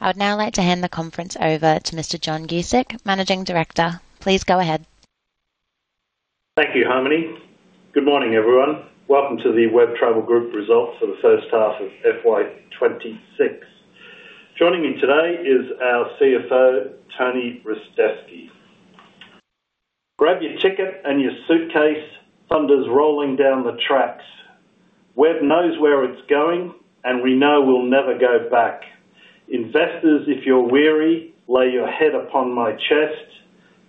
I would now like to hand the conference over to Mr. John Guscic, Managing Director. Please go ahead. Thank you, Harmony. Good morning, everyone. Welcome to the Web Travel Group results for the first half of FY2026. Joining me today is our CFO, Tony Ristevski. Grab your ticket and your suitcase. Thunder's rolling down the tracks. Web knows where it's going, and we know we'll never go back. Investors, if you're weary, lay your head upon my chest.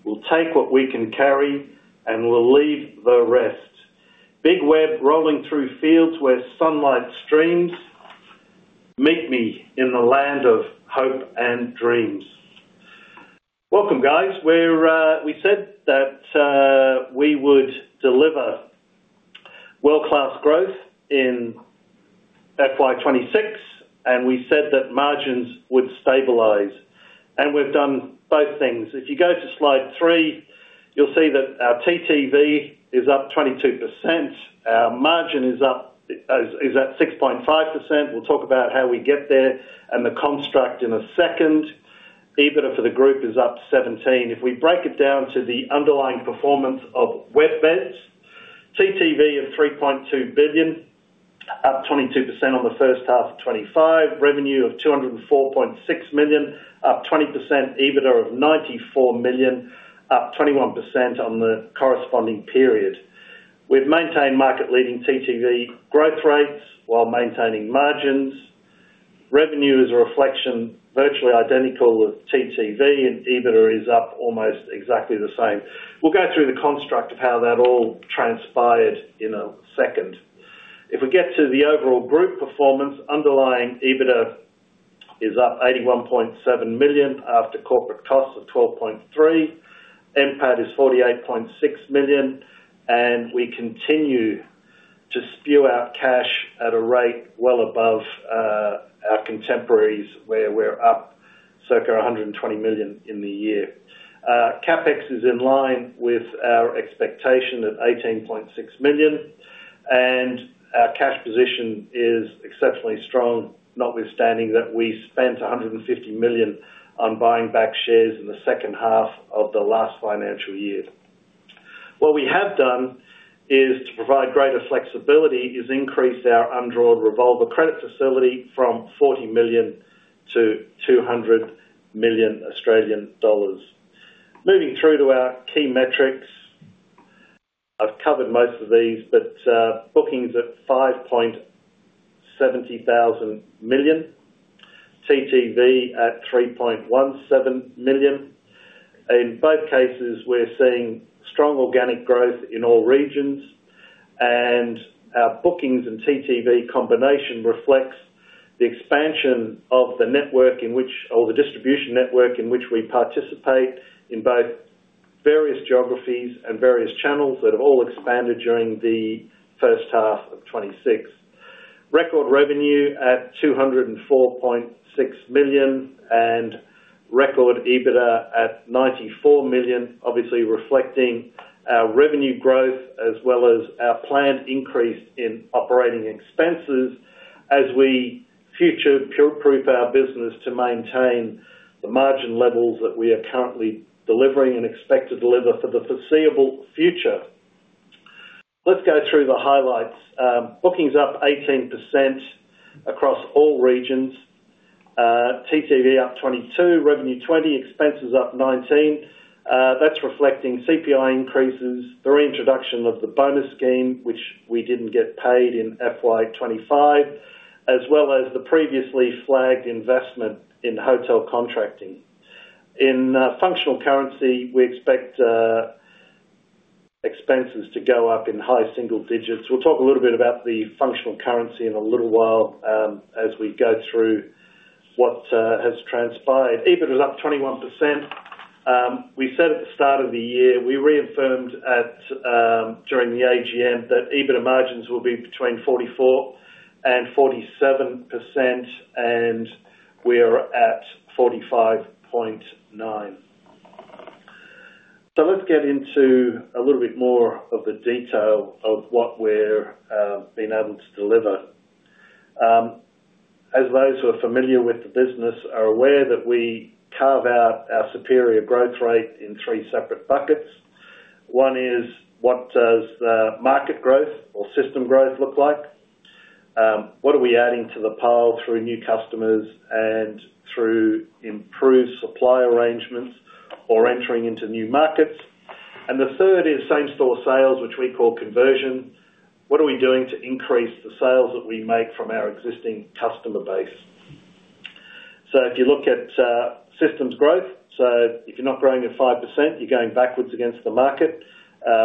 We'll take what we can carry, and we'll leave the rest. Big Web rolling through fields where sunlight streams. Meet me in the land of hope and dreams. Welcome, guys. We said that we would deliver world-class growth in FY2026, and we said that margins would stabilize. We have done both things. If you go to Slide 3, you'll see that our TTV is up 22%. Our margin is up at 6.5%. We will talk about how we get there and the construct in a second. EBITDA for the group is up 17%. If we break it down to the underlying performance of WebBeds, TTV of 3.2 billion, up 22% on the first half of 2025. Revenue of 204.6 million, up 20%. EBITDA of 94 million, up 21% on the corresponding period. We've maintained market-leading TTV growth rates while maintaining margins. Revenue is a reflection virtually identical of TTV, and EBITDA is up almost exactly the same. We'll go through the construct of how that all transpired in a second. If we get to the overall group performance, underlying EBITDA is up 81.7 million after corporate costs of 12.3 million. NPAT is 48.6 million, and we continue to spew out cash at a rate well above our contemporaries, where we're up circa 120 million in the year. CapEx is in line with our expectation at 18.6 million, and our cash position is exceptionally strong, notwithstanding that we spent 150 million on buying back shares in the second half of the last financial year. What we have done is, to provide greater flexibility, is increase our undrawn revolver credit facility from 40 million to 200 million Australian dollars. Moving through to our key metrics. I've covered most of these, but Bookings at 5,700 million TTV at 3,170 million. In both cases, we're seeing strong organic growth in all regions, and our Bookings and TTV combination reflects the expansion of the network in which, or the distribution network in which we participate in both various geographies and various channels that have all expanded during the first half of 2026. Record Revenue at 204.6 million and record EBITDA at 94 million, obviously reflecting our Revenue growth as well as our planned increase in Operating Expenses as we future-proof our business to maintain the margin levels that we are currently delivering and expect to deliver for the foreseeable future. Let's go through the highlights. Bookings up 18% across all regions. TTV up 22%, revenue 20%, expenses up 19%. That's reflecting CPI increases, the reintroduction of the bonus scheme, which we didn't get paid in FY2025, as well as the previously flagged investment in hotel contracting. In functional currency, we expect expenses to go up in high single digits. We'll talk a little bit about the functional currency in a little while as we go through what has transpired. EBITDA is up 21%. We said at the start of the year, we reaffirmed during the AGM that EBITDA margins will be between 44%-47%, and we are at 45.9%. Let's get into a little bit more of the detail of what we're being able to deliver. As those who are familiar with the business are aware, we carve out our superior growth rate in three separate buckets. One is, what does the Market Growth or Systems Growth look like? What are we adding to the pile through new customers and through improved supply arrangements or entering into new markets? The third is Same-Store Sales, which we call Conversion. What are we doing to increase the sales that we make from our existing customer base? If you look at Systems Growth, if you're not growing at 5%, you're going backwards against the market.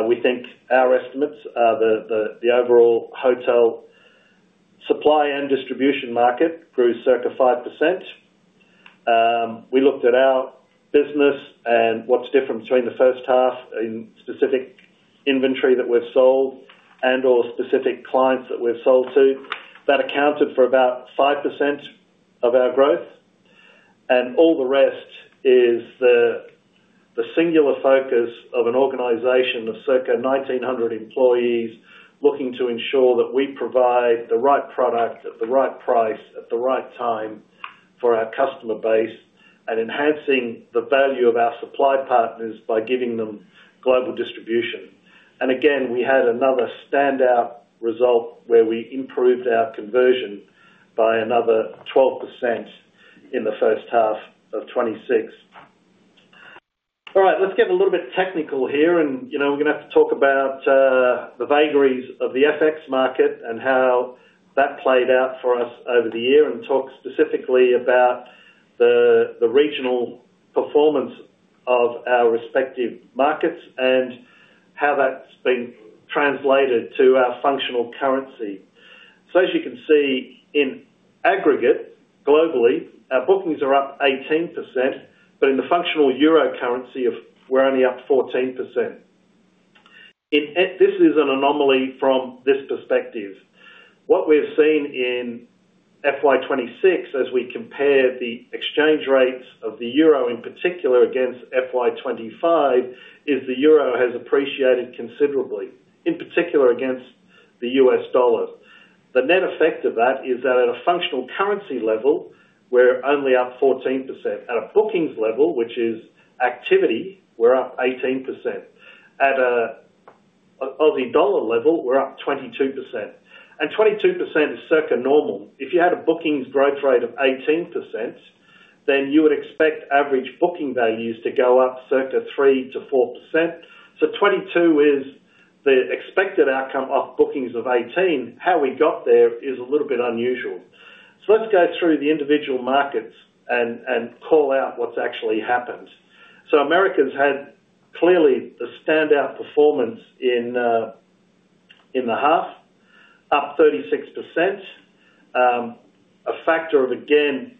We think our estimates are the overall hotel supply and distribution market grew circa 5%. We looked at our business and what's different between the first half in specific inventory that we've sold and/or specific clients that we've sold to. That accounted for about 5% of our growth. All the rest is the singular focus of an organization of circa 1,900 employees looking to ensure that we provide the right product at the right price at the right time for our customer base and enhancing the value of our supply partners by giving them global distribution. Again, we had another standout result where we improved our Conversion by another 12% in the first half of 2026. All right, let's get a little bit technical here, and we're going to have to talk about the vagaries of the FX market and how that played out for us over the year and talk specifically about the regional performance of our respective markets and how that's been translated to our Functional Currency. As you can see, in aggregate, globally, our Bookings are up 18%, but in the Functional Euro Currency, we're only up 14%. This is an anomaly from this perspective. What we've seen in FY2026, as we compare the exchange rates of the euro in particular against FY2025, is the euro has appreciated considerably, in particular against the US dollar. The net effect of that is that at a functional currency level, we're only up 14%. At a Bookings level, which is activity, we're up 18%. At an AUD level, we're up 22%. 22% is circa normal. If you had a Bookings Growth Rate of 18%, then you would expect Average Booking Values to go up circa 3%-4%. 22% is the expected outcome off Bookings of 18%. How we got there is a little bit unusual. Let's go through the individual markets and call out what's actually happened. America's had clearly the standout performance in the half, up 36%, a factor of, again,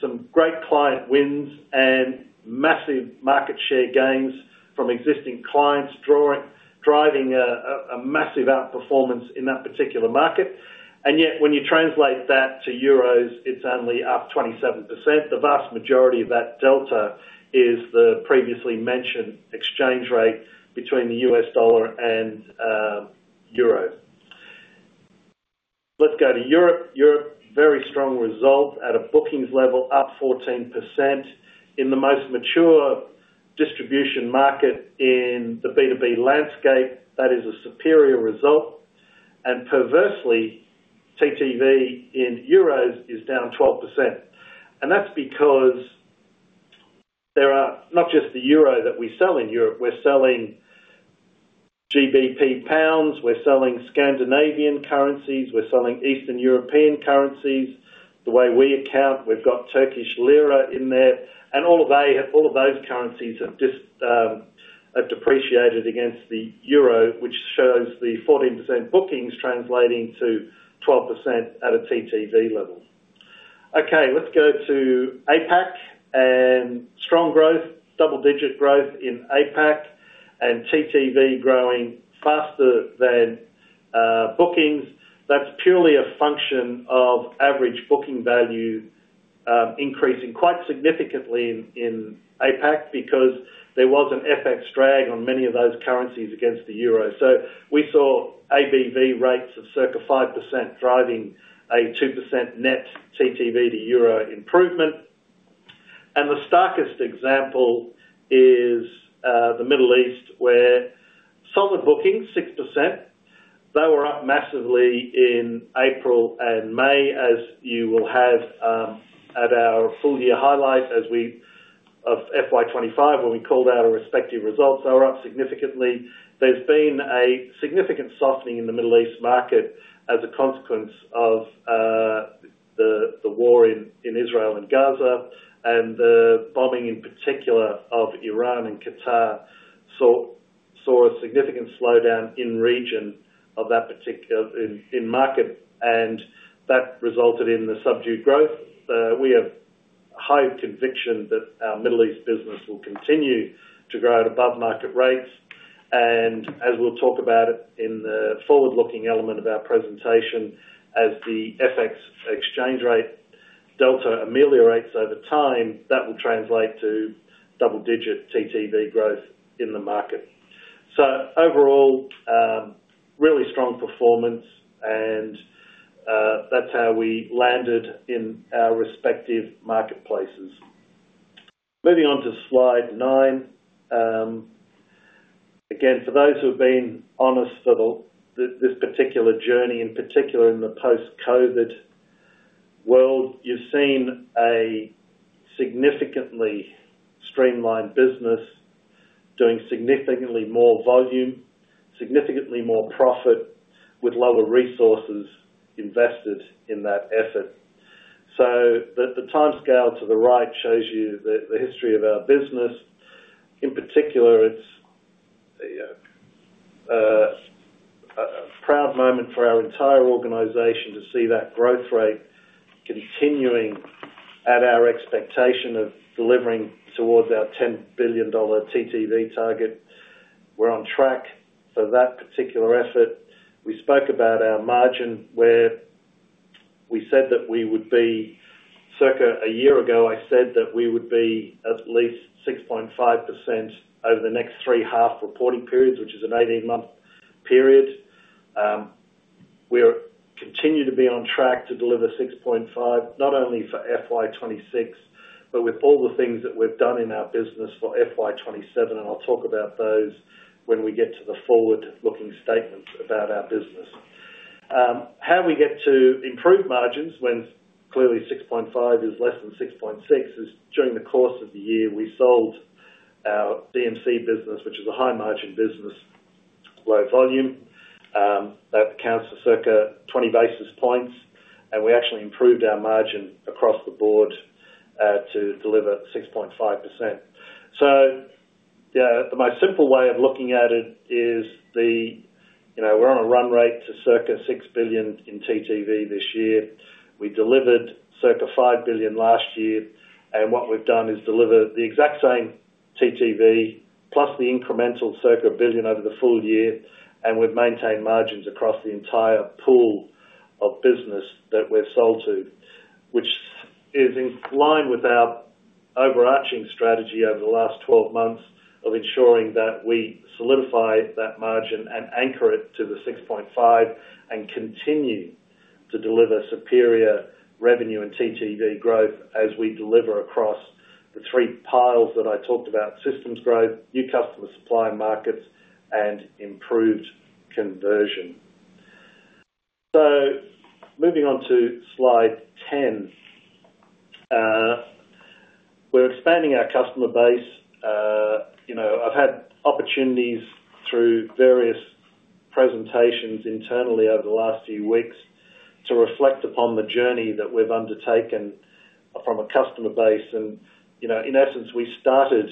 some great client wins and massive market share gains from existing clients driving a massive outperformance in that particular market. Yet, when you translate that to Euros, it's only up 27%. The vast majority of that delta is the previously mentioned exchange rate between the U.S. dollar and Euro. Let's go to Europe. Europe, very strong result at a Bookings Level, up 14%. In the most mature Distribution Market in the B2B landscape, that is a superior result. Perversely, TTV in Euro is down 12%. That is because there are not just the Euro that we sell in Europe. We are selling GBP pounds. We are selling Scandinavian Currencies. We are selling Eastern European Currencies. The way we account, we have got Turkish Lira in there. All of those currencies have depreciated against the Euro, which shows the 14% Bookings translating to 12% at a TTV Level. Okay, let's go to APAC and strong growth, double-digit growth in APAC and TTV growing faster than Bookings. That is purely a function of Average Booking Value increasing quite significantly in APAC because there was an FX drag on many of those currencies against the Euro. We saw ABV rates of circa 5% driving a 2% net TTV to Euro improvement. The starkest example is the Middle East, where solid bookings, 6%. They were up massively in April and May, as you will have at our Full Year Highlight of FY2025, when we called out our respective results. They were up significantly. There has been a significant softening in the Middle East market as a consequence of the war in Israel and Gaza and the bombing, in particular, of Iran, and Qatar saw a significant slowdown in region of that particular market, and that resulted in the subdued growth. We have high conviction that our Middle East business will continue to grow at above-market rates. As we will talk about it in the forward-looking element of our presentation, as the FX Exchange Rate Delta ameliorates over time, that will translate to double-digit TTV growth in the market. Overall, really strong performance, and that is how we landed in our respective marketplaces. Moving on to Slide 9. Again, for those who have been honest for this particular journey, in particular in the post-COVID world, you've seen a significantly streamlined business doing significantly more volume, significantly more profit with lower resources invested in that effort. The timescale to the right shows you the history of our business. In particular, it's a proud moment for our entire organization to see that growth rate continuing at our expectation of delivering towards our 10 billion dollar TTV target. We're on track for that particular effort. We spoke about our margin where we said that we would be circa a year ago, I said that we would be at least 6.5% over the next three half-reporting periods, which is an 18-month period. We continue to be on track to deliver 6.5%, not only for FY2026, but with all the things that we've done in our business for FY2027. I'll talk about those when we get to the Forward-Looking Statements about our business. How we get to improved margins when clearly 6.5% is less than 6.6% is during the course of the year we sold our DMC business, which is a high-margin business, low volume. That accounts for circa 20 basis points, and we actually improved our margin across the board to deliver 6.5%. The most simple way of looking at it is that we're on a run rate to circa 6 billion in TTV this year. We delivered circa 5 billion last year, and what we've done is deliver the exact same TTV plus the incremental circa 1 billion over the full year, and we've maintained margins across the entire pool of business that we've sold to, which is in line with our overarching strategy over the last 12 months of ensuring that we solidify that margin and anchor it to the 6.5% and continue to deliver superior Revenue and TTV growth as we deliver across the three piles that I talked about: Systems Growth, New Customer Supply Markets, and Improved Conversion. Moving on to Slide 10. We're expanding our Customer Base. I've had opportunities through various presentations internally over the last few weeks to reflect upon the journey that we've undertaken from a Customer Base. In essence, we started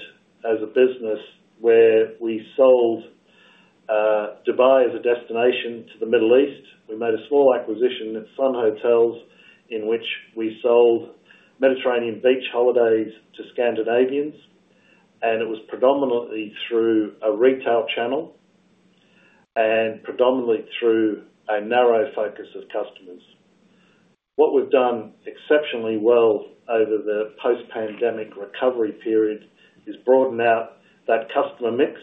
as a business where we sold Dubai as a destination to the Middle East. We made a small acquisition at Sun Hotels, in which we sold Mediterranean beach holidays to Scandinavians. It was predominantly through a retail channel and predominantly through a narrow focus of customers. What we have done exceptionally well over the post-pandemic recovery period is broaden out that customer mix,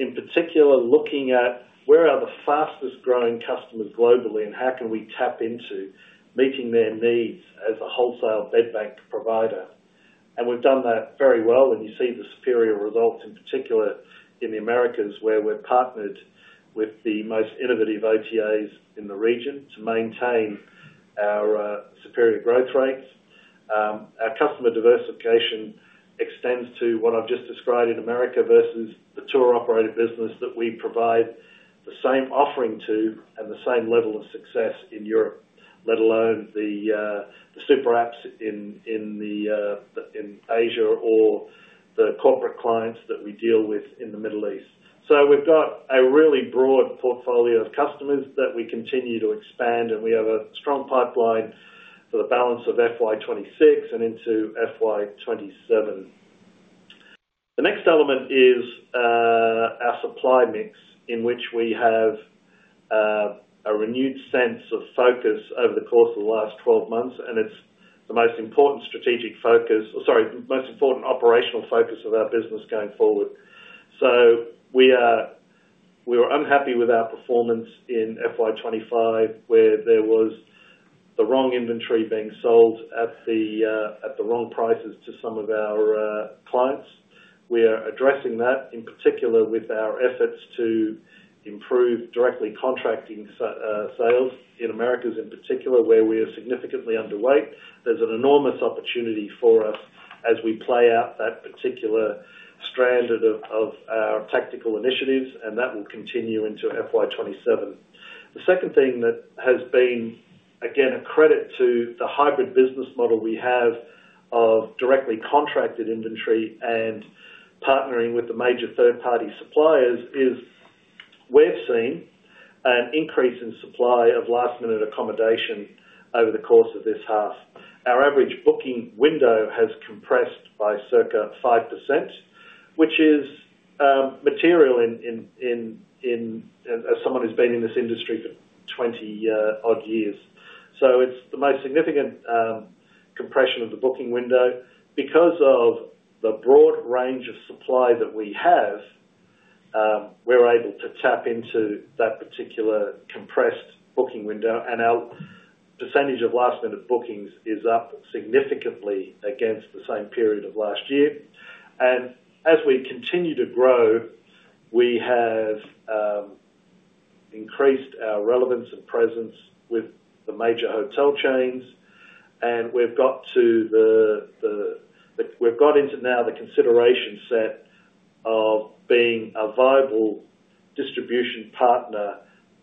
in particular looking at where are the fastest-growing customers globally and how can we tap into meeting their needs as a wholesale bedbank provider. We have done that very well. You see the superior results, in particular in the Americas, where we are partnered with the most innovative OTAs in the region to maintain our superior growth rates. Our Customer Diversification extends to what I've just described in America versus the tour-operated business that we provide the same offering to and the same level of success in Europe, let alone the super apps in Asia or the corporate clients that we deal with in the Middle East. We have a really broad portfolio of customers that we continue to expand, and we have a strong pipeline for the balance of FY2026 and into FY2027. The next element is our Supply Mix, in which we have a renewed sense of focus over the course of the last 12 months, and it is the most important strategic focus or, sorry, the most important operational focus of our business going forward. We were unhappy with our performance in FY2025, where there was the wrong inventory being sold at the wrong prices to some of our clients. We are addressing that, in particular with our efforts to improve Directly Contracting Sales in Americas, in particular, where we are significantly underweight. There's an enormous opportunity for us as we play out that particular strand of our tactical initiatives, and that will continue into FY2027. The second thing that has been, again, a credit to the hybrid business model we have of directly contracted inventory and partnering with the major third-party suppliers is we've seen an increase in supply of last-minute accommodation over the course of this half. Our average booking window has compressed by circa 5%, which is material as someone who's been in this industry for 20-odd years. It is the most significant compression of the booking window. Because of the broad range of supply that we have, we're able to tap into that particular compressed booking window, and our percentage of last-minute bookings is up significantly against the same period of last year. As we continue to grow, we have increased our relevance and presence with the major hotel chains, and we've got into now the consideration set of being a viable distribution partner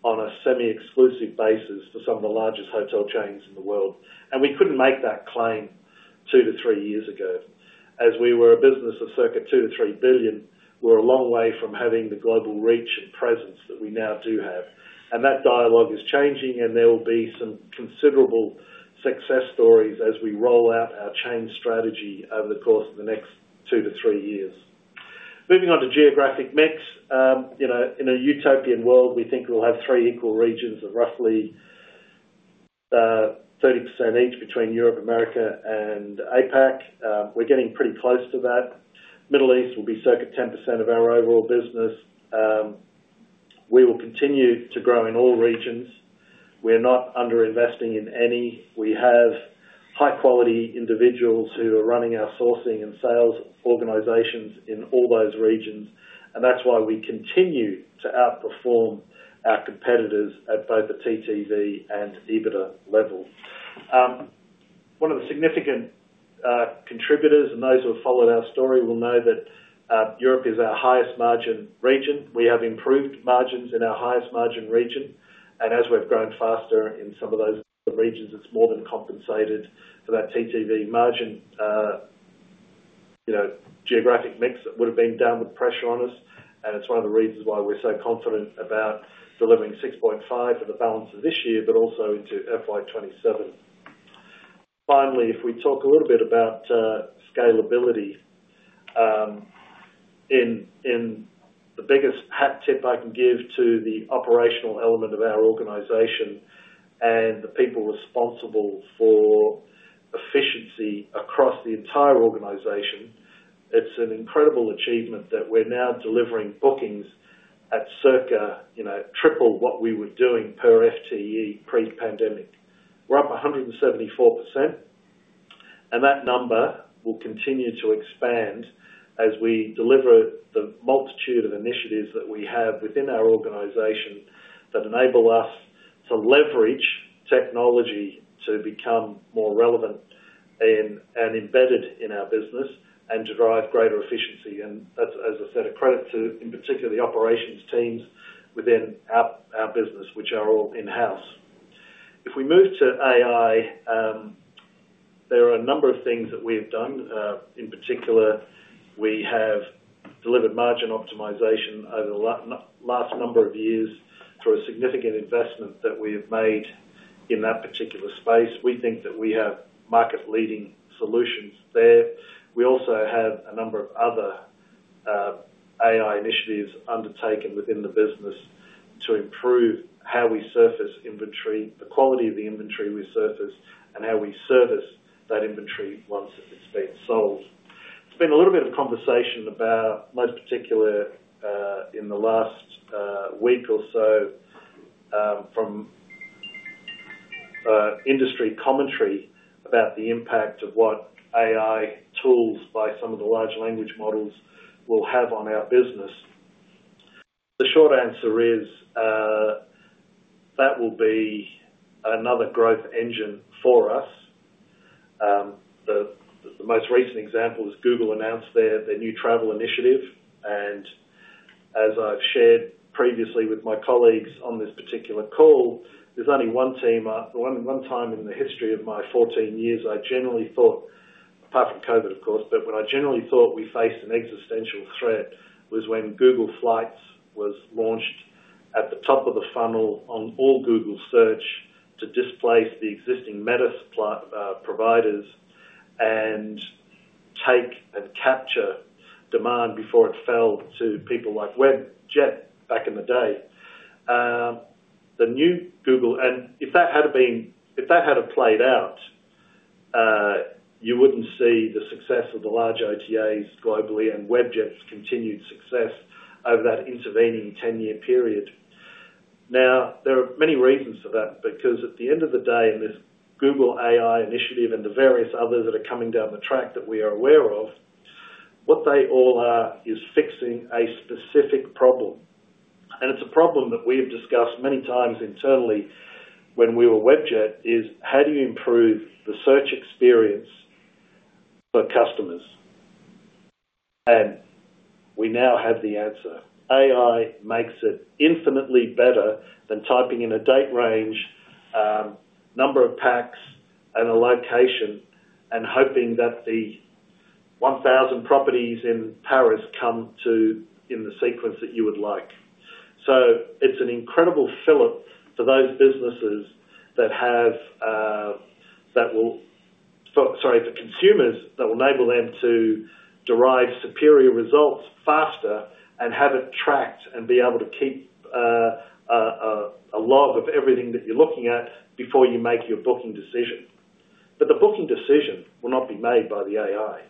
on a semi-exclusive basis for some of the largest hotel chains in the world. We couldn't make that claim two to three years ago. As we were a business of circa 2 billion-3 billion, we were a long way from having the global reach and presence that we now do have. That dialogue is changing, and there will be some considerable success stories as we roll out our Chain Strategy over the course of the next two to three years. Moving on to Geographic Mix. In a utopian world, we think we'll have three equal Regions of roughly 30% each between Europe, Americas, and APAC. We're getting pretty close to that. Middle East will be circa 10% of our Overall Business. We will continue to grow in all regions. We are not underinvesting in any. We have high-quality individuals who are running our Sourcing and Sales Organizations in all those Regions, and that's why we continue to outperform our competitors at both the TTV and EBITDA Level. One of the significant contributors, and those who have followed our story will know that Europe is our highest-margin region. We have improved margins in our highest-margin region. As we've grown faster in some of those Regions, it's more than compensated for that TTV margin Geographic Mix that would have been downward pressure on us. It's one of the reasons why we're so confident about delivering 6.5% for the balance of this year, but also into FY2027. Finally, if we talk a little bit about Scalability, the biggest hat tip I can give to the Operational Element of our organization and the people responsible for efficiency across the entire organization, it's an incredible achievement that we're now delivering Bookings at circa triple what we were doing per FTE pre-pandemic. We're up 174%, and that number will continue to expand as we deliver the multitude of initiatives that we have within our organization that enable us to leverage technology to become more relevant and embedded in our business and to drive greater efficiency. That is, as I said, a credit to, in particular, the Operations Teams within our business, which are all in-house. If we move to AI, there are a number of things that we have done. In particular, we have delivered Margin Optimization over the last number of years through a significant investment that we have made in that particular space. We think that we have market-leading solutions there. We also have a number of other AI initiatives undertaken within the business to improve how we surface inventory, the quality of the inventory we surface, and how we service that inventory once it has been sold. There has been a little bit of conversation about, most particularly in the last week or so, from industry commentary about the impact of what AI tools by some of the Large Language Models will have on our business. The short answer is that will be another Growth Engine for us. The most recent example is Google announced their new Travel Initiative. As I've shared previously with my colleagues on this particular call, there's only one time in the history of my 14 years I generally thought, apart from COVID, of course, but when I generally thought we faced an existential threat was when Google Flights was launched at the top of the funnel on all Google Search to displace the existing Meta providers and take and capture demand before it fell to people like Webjet back in the day. The new Google, and if that had been, if that had played out, you wouldn't see the success of the large OTAs globally and Webjet's continued success over that intervening 10-year period. Now, there are many reasons for that because at the end of the day, in this Google AI Initiative and the various others that are coming down the track that we are aware of, what they all are is fixing a specific problem. It is a problem that we have discussed many times internally when we were Webjet is how do you improve the search experience for customers? We now have the answer. AI makes it infinitely better than typing in a date range, number of packs, and a location, and hoping that the 1,000 properties in Paris come in the sequence that you would like. It's an incredible fill-up for those businesses that have that, for consumers that will enable them to derive superior results faster and have it tracked and be able to keep a log of everything that you're looking at before you make your Booking Decision. The Booking Decision will not be made by the AI.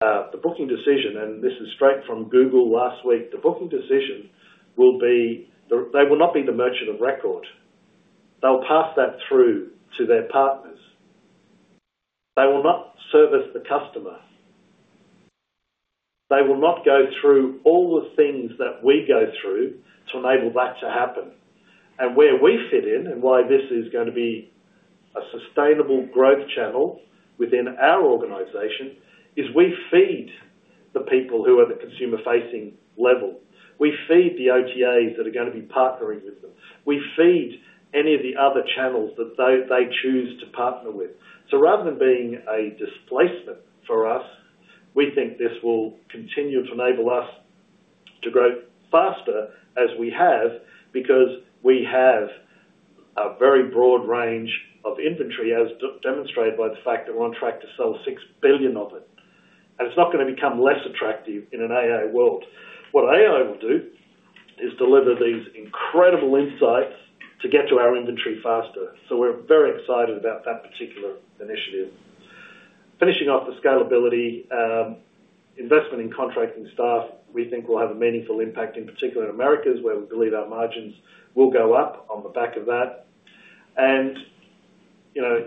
The Booking Decision, and this is straight from Google last week, the booking decision will be they will not be the merchant of record. They'll pass that through to their partners. They will not service the customer. They will not go through all the things that we go through to enable that to happen. Where we fit in and why this is going to be a sustainable growth channel within our organization is we feed the people who are at the consumer-facing level. We feed the OTAs that are going to be partnering with them. We feed any of the other channels that they choose to partner with. Rather than being a displacement for us, we think this will continue to enable us to grow faster as we have because we have a very broad range of inventory, as demonstrated by the fact that we're on track to sell 6 billion of it. It is not going to become less attractive in an AI world. What AI will do is deliver these incredible insights to get to our inventory faster. We are very excited about that particular initiative. Finishing off the Scalability, investment in contracting staff, we think will have a meaningful impact, in particular in Americas, where we believe our margins will go up on the back of that.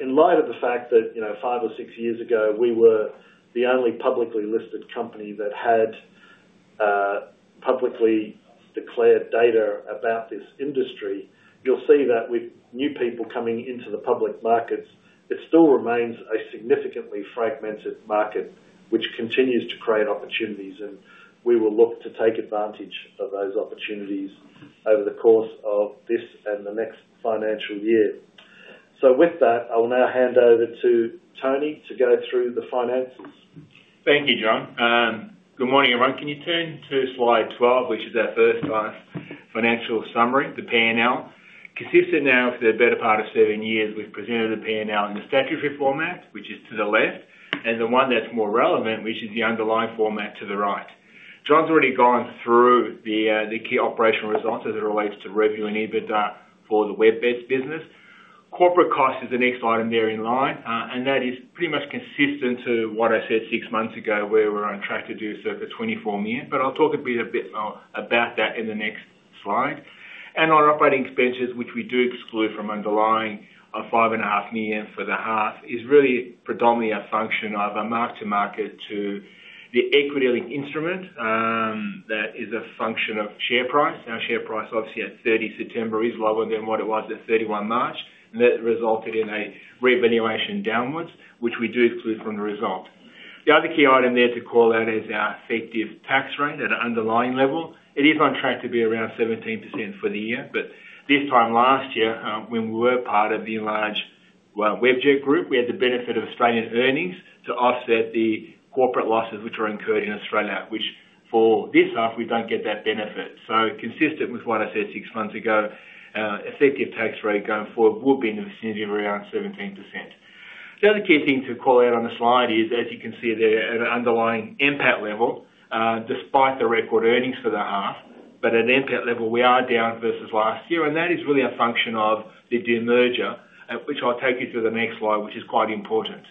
In light of the fact that five or six years ago, we were the only publicly listed company that had publicly declared data about this industry, you'll see that with new people coming into the Public Markets, it still remains a significantly fragmented market, which continues to create opportunities. We will look to take advantage of those opportunities over the course of this and the next Financial Year. With that, I will now hand over to Tony to go through the finances. Thank you, John. Good morning, everyone. Can you turn to Slide 12, which is our first Financial Summary, the P&L? Consistent now for the better part of seven years, we've presented the P&L in the statutory format, which is to the left, and the one that's more relevant, which is the underlying format, to the right. John's already gone through the key Operational Results as it relates to Revenue and EBITDA for the Webjet business. Corporate Cost is the next item there in line, and that is pretty much consistent to what I said six months ago, where we're on track to do circa 24 million. I'll talk a bit about that in the next slide. Our Operating Expenses, which we do exclude from Underlying, of 5.5 million for the half, is really predominantly a function of a mark-to-market to the equity-linked instrument that is a function of share price. Our share price, obviously, at September 30th is lower than what it was at March 31st, and that resulted in a revaluation downwards, which we do exclude from the result. The other key item there to call out is our Effective Tax Rate at an Underlying Level. It is on track to be around 17% for the year. This time last year, when we were part of the enlarged Webjet Group, we had the benefit of Australian earnings to offset the corporate losses which are incurred in Australia, which for this half, we do not get that benefit. Consistent with what I said six months ago, effective tax rate going forward will be in the vicinity of around 17%. The other key thing to call out on the slide is, as you can see there, at an underlying NPAT Level, despite the record earnings for the half, at an NPAT Level, we are down versus last year, and that is really a function of the Demerger, which I will take you to the next slide, which is quite important.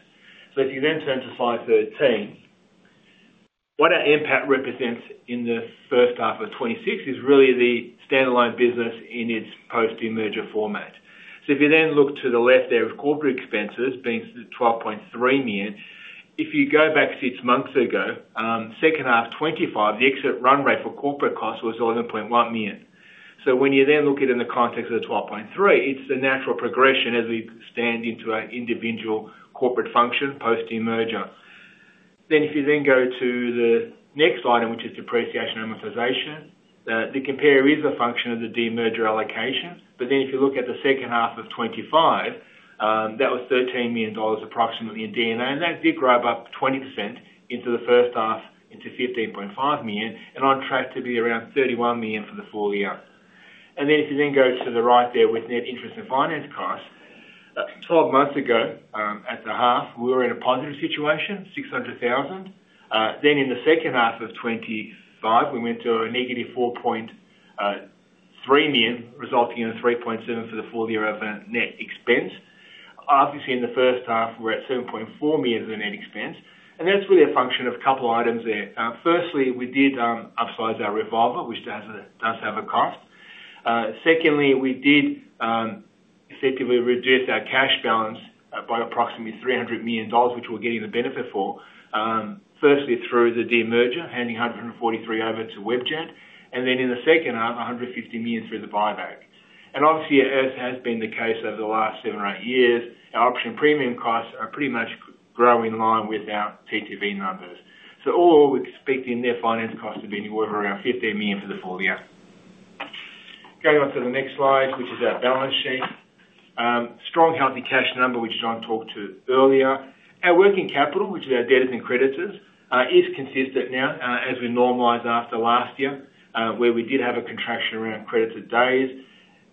If you then turn to Slide 13, what our NPAT represents in the first half of 2026 is really the standalone business in its post-demerger format. If you then look to the left there, with Corporate Expenses being 12.3 million, if you go back six months ago, Second Half 2025, the exit run rate for Corporate Costs was 11.1 million. When you then look at it in the context of the 12.3 million, it is a natural progression as we stand into an individual corporate function post-demerger. If you then go to the next item, which is Depreciation and Amortization, the compare is a function of the de-merger allocation, but if you look at the Second Half of 2025, that was 13 million dollars, approximately, in D&A, and that did rub up 20% into the first half into 15.5 million, and on track to be around 31 million for the full year. If you then go to the right there with Net Interest and Finance Costs, 12 months ago at the half, we were in a positive situation, 600,000. In the Second Half of 2025, we went to a negative 4.3 million, resulting in 3.7 million for the full year of Net Expense. Obviously, in the first half, we're at $7.4 million of Net Expense, and that's really a function of a couple of items there. Firstly, we did upsize our Revolver, which does have a cost. Secondly, we did effectively reduce our cash balance by approximately 300 million dollars, which we're getting the benefit for, firstly through the Demerger, handing 143 over to Webjet, and then in the second half, 150 million through the Buyback. Obviously, as has been the case over the last seven or eight years, our Option Premium costs are pretty much growing in line with our TTV numbers. All we could speak to in their Finance Costs have been well over around 15 million for the full year. Going on to the next slide, which is our Balance Sheet. Strong, healthy cash number, which John talked to earlier. Our Working Capital, which is our Debtors and Creditors, is consistent now as we normalize after last year, where we did have a contraction around creditor days.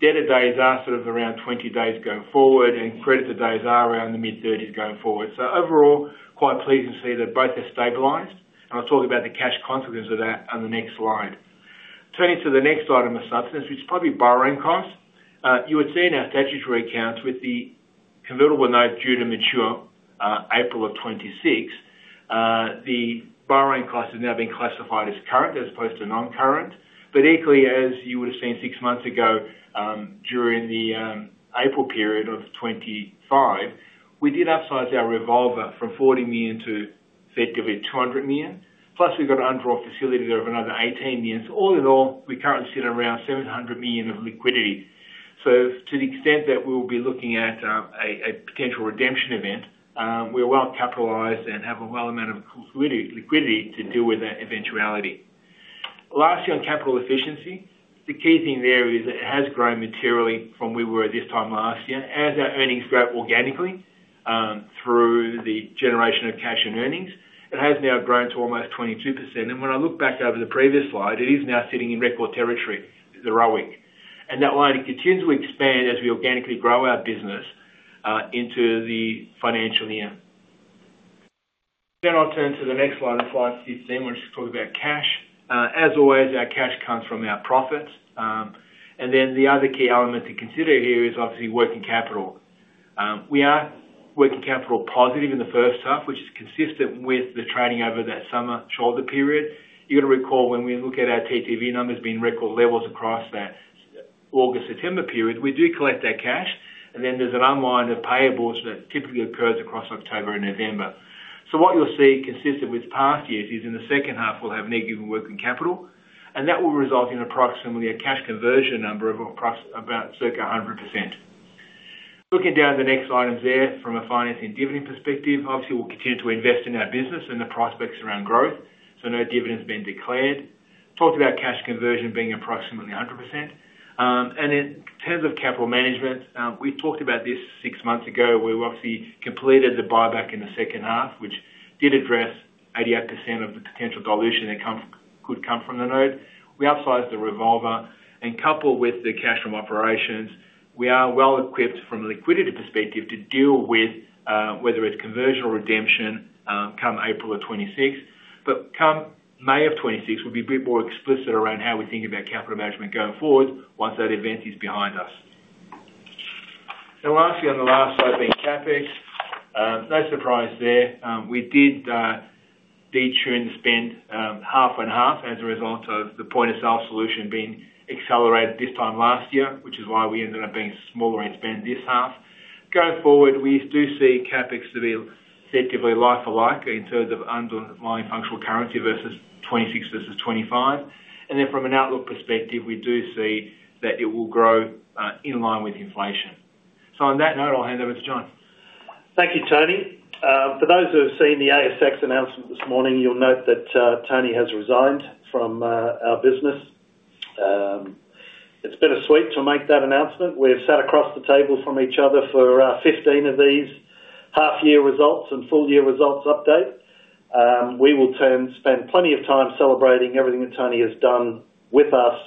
Debtor days are sort of around 20 days going forward, and Creditor Days are around the mid-30s going forward. Overall, quite pleased to see that both have stabilized, and I'll talk about the cash consequences of that on the next slide. Turning to the next item of substance, which is probably Borrowing Costs. You would see in our Statutory Accounts with the Convertible Note due to mature April of 2026, the Borrowing Cost has now been classified as Current as opposed to Non-Current. Equally, as you would have seen six months ago during the April period of 2025, we did upsize our revolver from 40 million to effectively 200 million, plus we got an underwater facility of another 18 million. All in all, we currently sit at around 700 million of Liquidity. To the extent that we will be looking at a potential Redemption Event, we are well-capitalized and have a well amount of Liquidity to deal with that eventuality. Lastly, on Capital Efficiency, the key thing there is it has grown materially from where we were at this time last year. As our earnings grow organically through the generation of cash and earnings, it has now grown to almost 22%. When I look back over the previous slide, it is now sitting in record territory, the ROIC. That line continues to expand as we organically grow our business into the Financial Year. I'll turn to the next slide, Slide 15, which is talking about Cash. As always, our Cash comes from our Profits. The other key element to consider here is obviously Working Capital. We are Working Capital positive in the first half, which is consistent with the trading over that summer shoulder period. You have to recall when we look at our TTV Numbers being record levels across that August-September period, we do collect our cash, and then there is an unwind of payables that typically occurs across October and November. What you will see consistent with past years is in the second half, we will have negative Working Capital, and that will result in approximately a Cash Conversion Number of about circa 100%. Looking down the next item there from a Finance and Dividend perspective, obviously, we will continue to invest in our business and the prospects around growth. No dividends being declared. Talked about Cash Conversion being approximately 100%. In terms of Capital Management, we talked about this six months ago. We obviously completed the Buyback in the second half, which did address 88% of the potential dilution that could come from the Note. We upsized the Revolver, and coupled with the Cash from Operations, we are well-equipped from a Liquidity perspective to deal with whether it's conversion or redemption come April of 2026. Come May of 2026, we will be a bit more explicit around how we think about Capital Management going forward once that event is behind us. Lastly, on the last slide being CapEx, no surprise there. We did detune the spend half and half as a result of the Point-of-Sale Solution being accelerated this time last year, which is why we ended up being smaller in spend this half. Going forward, we do see CapEx to be effectively life-alike in terms of Underlying Functional Currency versus 2026 versus 2025. From an outlook perspective, we do see that it will grow in line with inflation. On that note, I'll hand over to John. Thank you, Tony. For those who have seen the ASX Announcement this morning, you'll note that Tony has resigned from our business. It's been a sweep to make that announcement. We have sat across the table from each other for 15 of these half-year results and full-year results update. We will spend plenty of time celebrating everything that Tony has done with us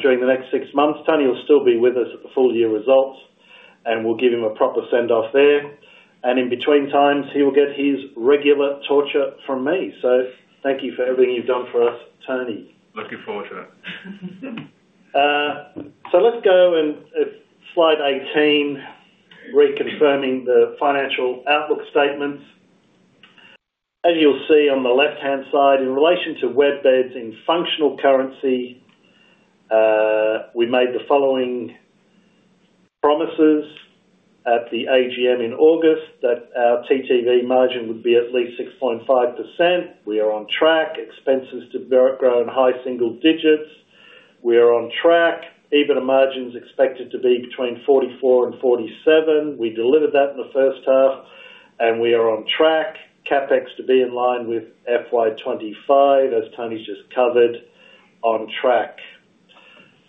during the next six months. Tony will still be with us at the Full-Year Results, and we'll give him a proper send-off there. In between times, he will get his regular torture from me. Thank you for everything you've done for us, Tony. Looking forward to it. Let's go and Slide 18, reconfirming the Financial Outlook Statements. As you'll see on the left-hand side, in relation to Webjet in functional currency, we made the following promises at the AGM in August that our TTV Margin would be at least 6.5%. We are on track. Expenses to grow in high single digits. We are on track. EBITDA Margin is expected to be between 44%-47%. We delivered that in the first half, and we are on track. CapEx to be in line with FY2025, as Tony's just covered, on track.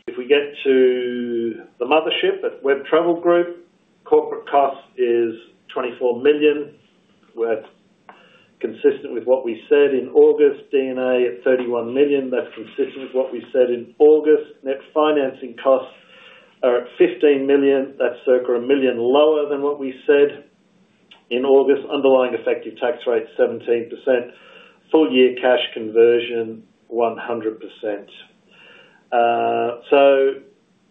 If we get to the Mothership at Web Travel Group, Corporate Cost is 24 million. That's consistent with what we said in August. D&A at 31 million. That's consistent with what we said in August. Net Financing Costs are at 15 million. That's circa 1 million lower than what we said in August. Underlying Effective Tax Rate 17%. Full-year Cash Conversion 100%.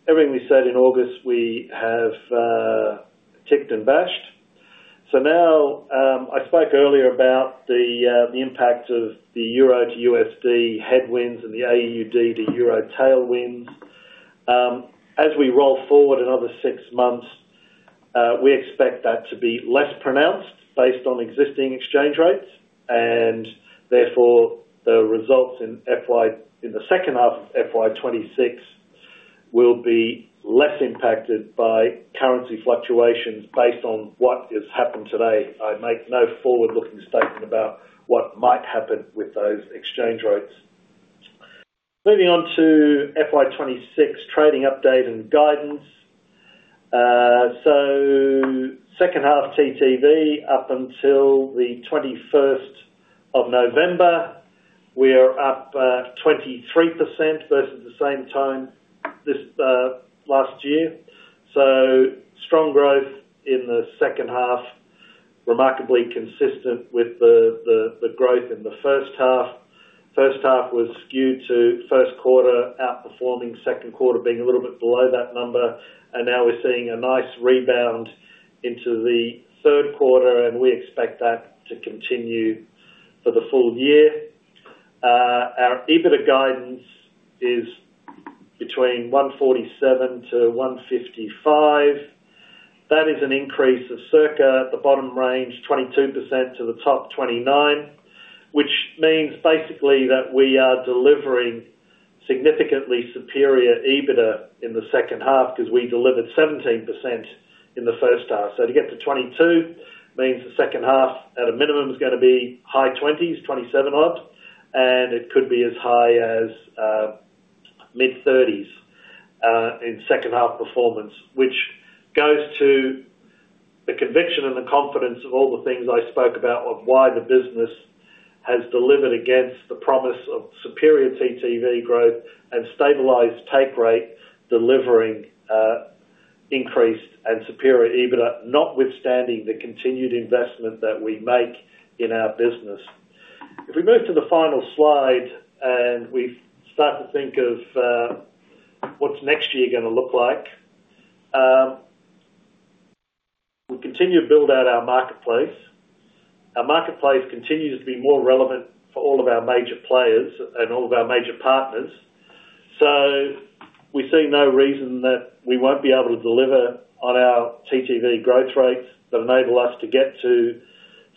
Everything we said in August, we have ticked and bashed. I spoke earlier about the impact of the Euro to USD headwinds and the AUD to Euro tailwinds. As we roll forward another six months, we expect that to be less pronounced based on existing exchange rates, and therefore, the results in the Second Half of FY2026 will be less impacted by currency fluctuations based on what has happened today. I make no forward-looking statement about what might happen with those exchange rates. Moving on to FY2026 Trading Update and Guidance. Second Half TTV up until the 21st of November, we are up 23% versus the same time last year. Strong growth in the second half, remarkably consistent with the growth in the first half. First half was skewed to first quarter outperforming, second quarter being a little bit below that number, and now we're seeing a nice rebound into the third quarter, and we expect that to continue for the full year. Our EBITDA Guidance is between 147 million-155 million. That is an increase of circa the bottom range, 22% to the top 29%, which means basically that we are delivering significantly superior EBITDA in the second half because we delivered 17% in the first half. To get to 22 means the second half at a minimum is going to be high 20s, 27%-odd, and it could be as high as mid-30s in second half performance, which goes to the conviction and the confidence of all the things I spoke about of why the business has delivered against the promise of superior TTV growth and stabilized Take Rate delivering increased and superior EBITDA, notwithstanding the continued investment that we make in our business. If we move to the final slide and we start to think of what's next year going to look like, we continue to build out our Marketplace. Our Marketplace continues to be more relevant for all of our major players and all of our major partners. We see no reason that we won't be able to deliver on our TTV Growth Rates that enable us to get to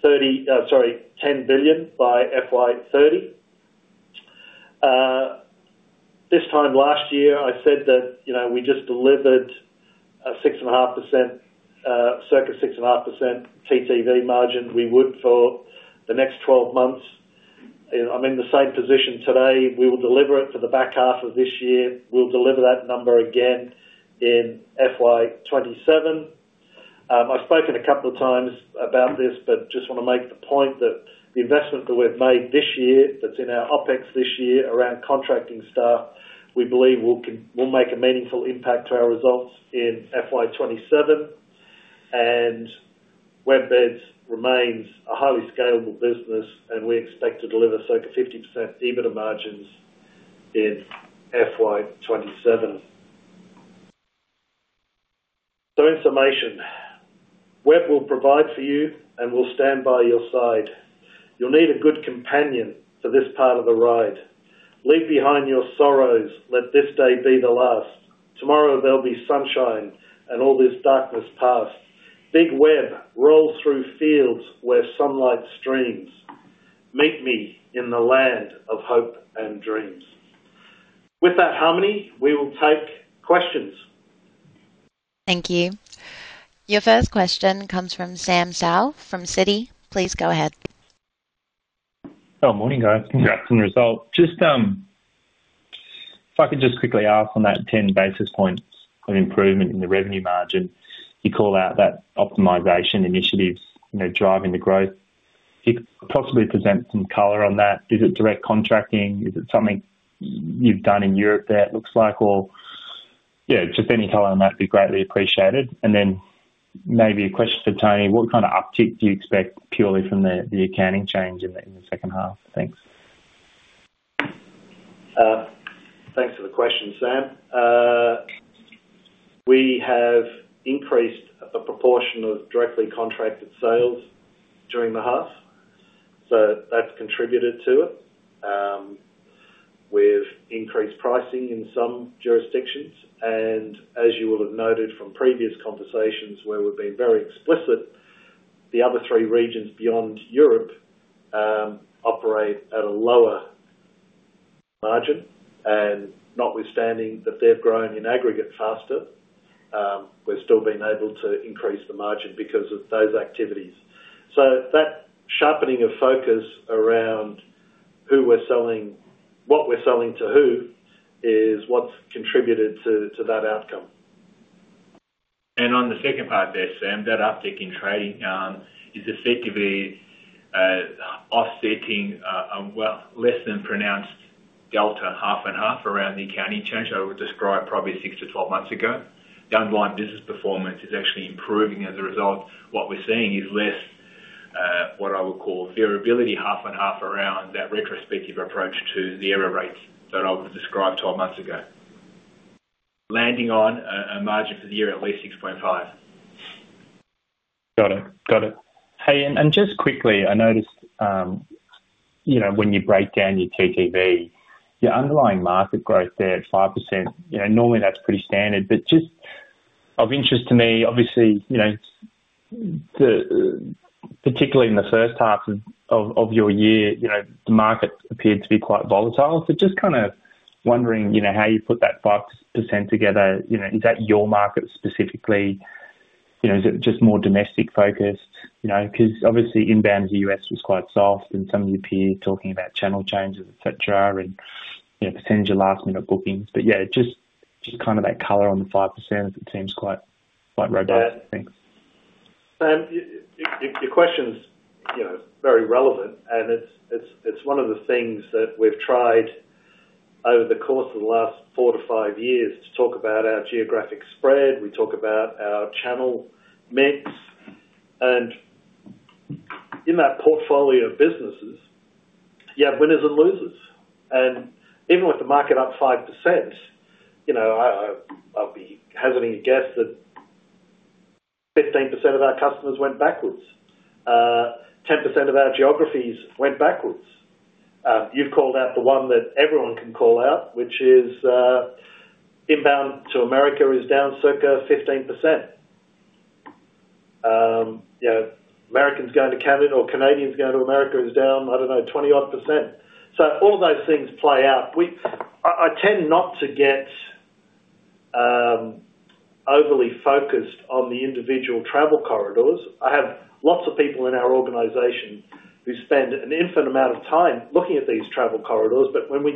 10 billion by FY2030. This time last year, I said that we just delivered a circa 6.5% TTV Margin we would for the next 12 months. I'm in the same position today. We will deliver it for the back half of this year. We'll deliver that number again in FY2027. I've spoken a couple of times about this, but just want to make the point that the investment that we've made this year that's in our OpEx this year around Contracting Staff, we believe will make a meaningful impact to our results in FY2027. Web Travel Group remains a highly scalable business, and we expect to deliver circa 50% EBITDA Margins in FY2027. Information Web will provide for you and will stand by your side. You'll need a good companion for this part of the ride. Leave behind your sorrows. Let this day be the last. Tomorrow, there'll be sunshine and all this darkness passed. Big Web rolls through fields where sunlight streams. Meet me in the land of hope and dreams. With that harmony, we will take questions. Thank you. Your first question comes from Sam Seow from Citi. Please go ahead. Hello. Morning, guys. Congrats on the result. Just if I could just quickly ask on that 10 basis points of improvement in the Revenue Margin, you call out that Optimization Initiatives driving the growth. You could possibly present some color on that. Is it Direct Contracting? Is it something you've done in Europe there, it looks like? Or yeah, just any color on that would be greatly appreciated. And then maybe a question for Tony. What kind of uptick do you expect purely from the accounting change in the second half? Thanks. Thanks for the question, Sam. We have increased a proportion of directly contracted sales during the half. That has contributed to it. We have increased pricing in some jurisdictions. As you will have noted from previous conversations where we have been very explicit, the other three regions beyond Europe operate at a lower Margin. Notwithstanding that they have grown in aggregate faster, we have still been able to increase the margin because of those activities. That sharpening of focus around who we are selling, what we are selling to who, is what has contributed to that outcome. On the second part there, Sam, that uptick in trading is effectively offsetting a less-than-pronounced delta half and half around the Accounting Change I would describe probably 6-12 months ago. The underlying business performance is actually improving as a result. What we're seeing is less, what I would call, variability half-on- half around that retrospective approach to the error rates that I would describe 12 months ago, landing on a margin for the year at least 6.5%. Got it. Got it. Hey, and just quickly, I noticed when you break down your TTV, your Underlying Market Growth there at 5%, normally that's pretty standard. Just of interest to me, obviously, particularly in the first half of your year, the market appeared to be quite volatile. Just kind of wondering how you put that 5% together. Is that your market specifically? Is it just more domestic-focused? Because obviously, inbound U.S. was quite soft and some of you appeared talking about channel changes, etc., and potential last-minute bookings. Yeah, just kind of that color on the 5%, it seems quite robust. Thanks. Sam, your question's very relevant, and it's one of the things that we've tried over the course of the last four to five years to talk about our Geographic Spread. We talk about our Channel Mix. In that portfolio of businesses, you have winners and losers. Even with the market up 5%, I'll be hesitant to guess that 15% of our customers went backwards. 10% of our geographies went backwards. You've called out the one that everyone can call out, which is inbound to America is down circa 15%. Yeah, Americans going to Canada or Canadians going to America is down, I don't know, 20-odd percent. All of those things play out. I tend not to get overly focused on the individual Travel Corridors. I have lots of people in our organization who spend an infinite amount of time looking at these Travel Corridors. When we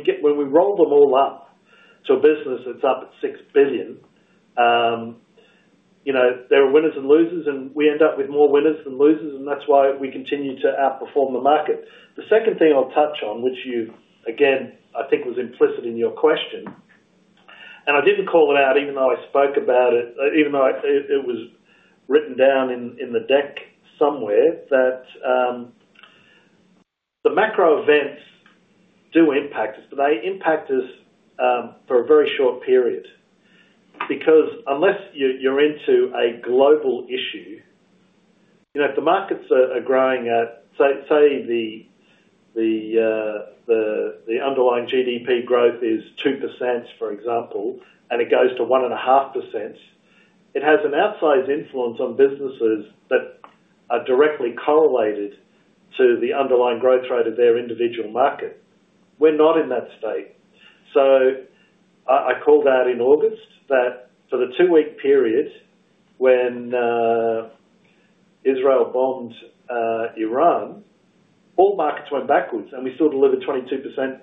roll them all up to a business that's up at 6 billion, there are winners and losers, and we end up with more winners than losers, and that's why we continue to outperform the market. The second thing I'll touch on, which you, again, I think was implicit in your question, and I didn't call it out even though I spoke about it, even though it was written down in the deck somewhere, that the macro events do impact us, but they impact us for a very short period. Because unless you're into a global issue, if the markets are growing at, say, the underlying GDP growth is 2%, for example, and it goes to 1.5%, it has an outsized influence on businesses that are directly correlated to the underlying growth rate of their individual market. We're not in that state. I called out in August that for the two-week period when Israel bombed Iran, all markets went backwards, and we still delivered 22%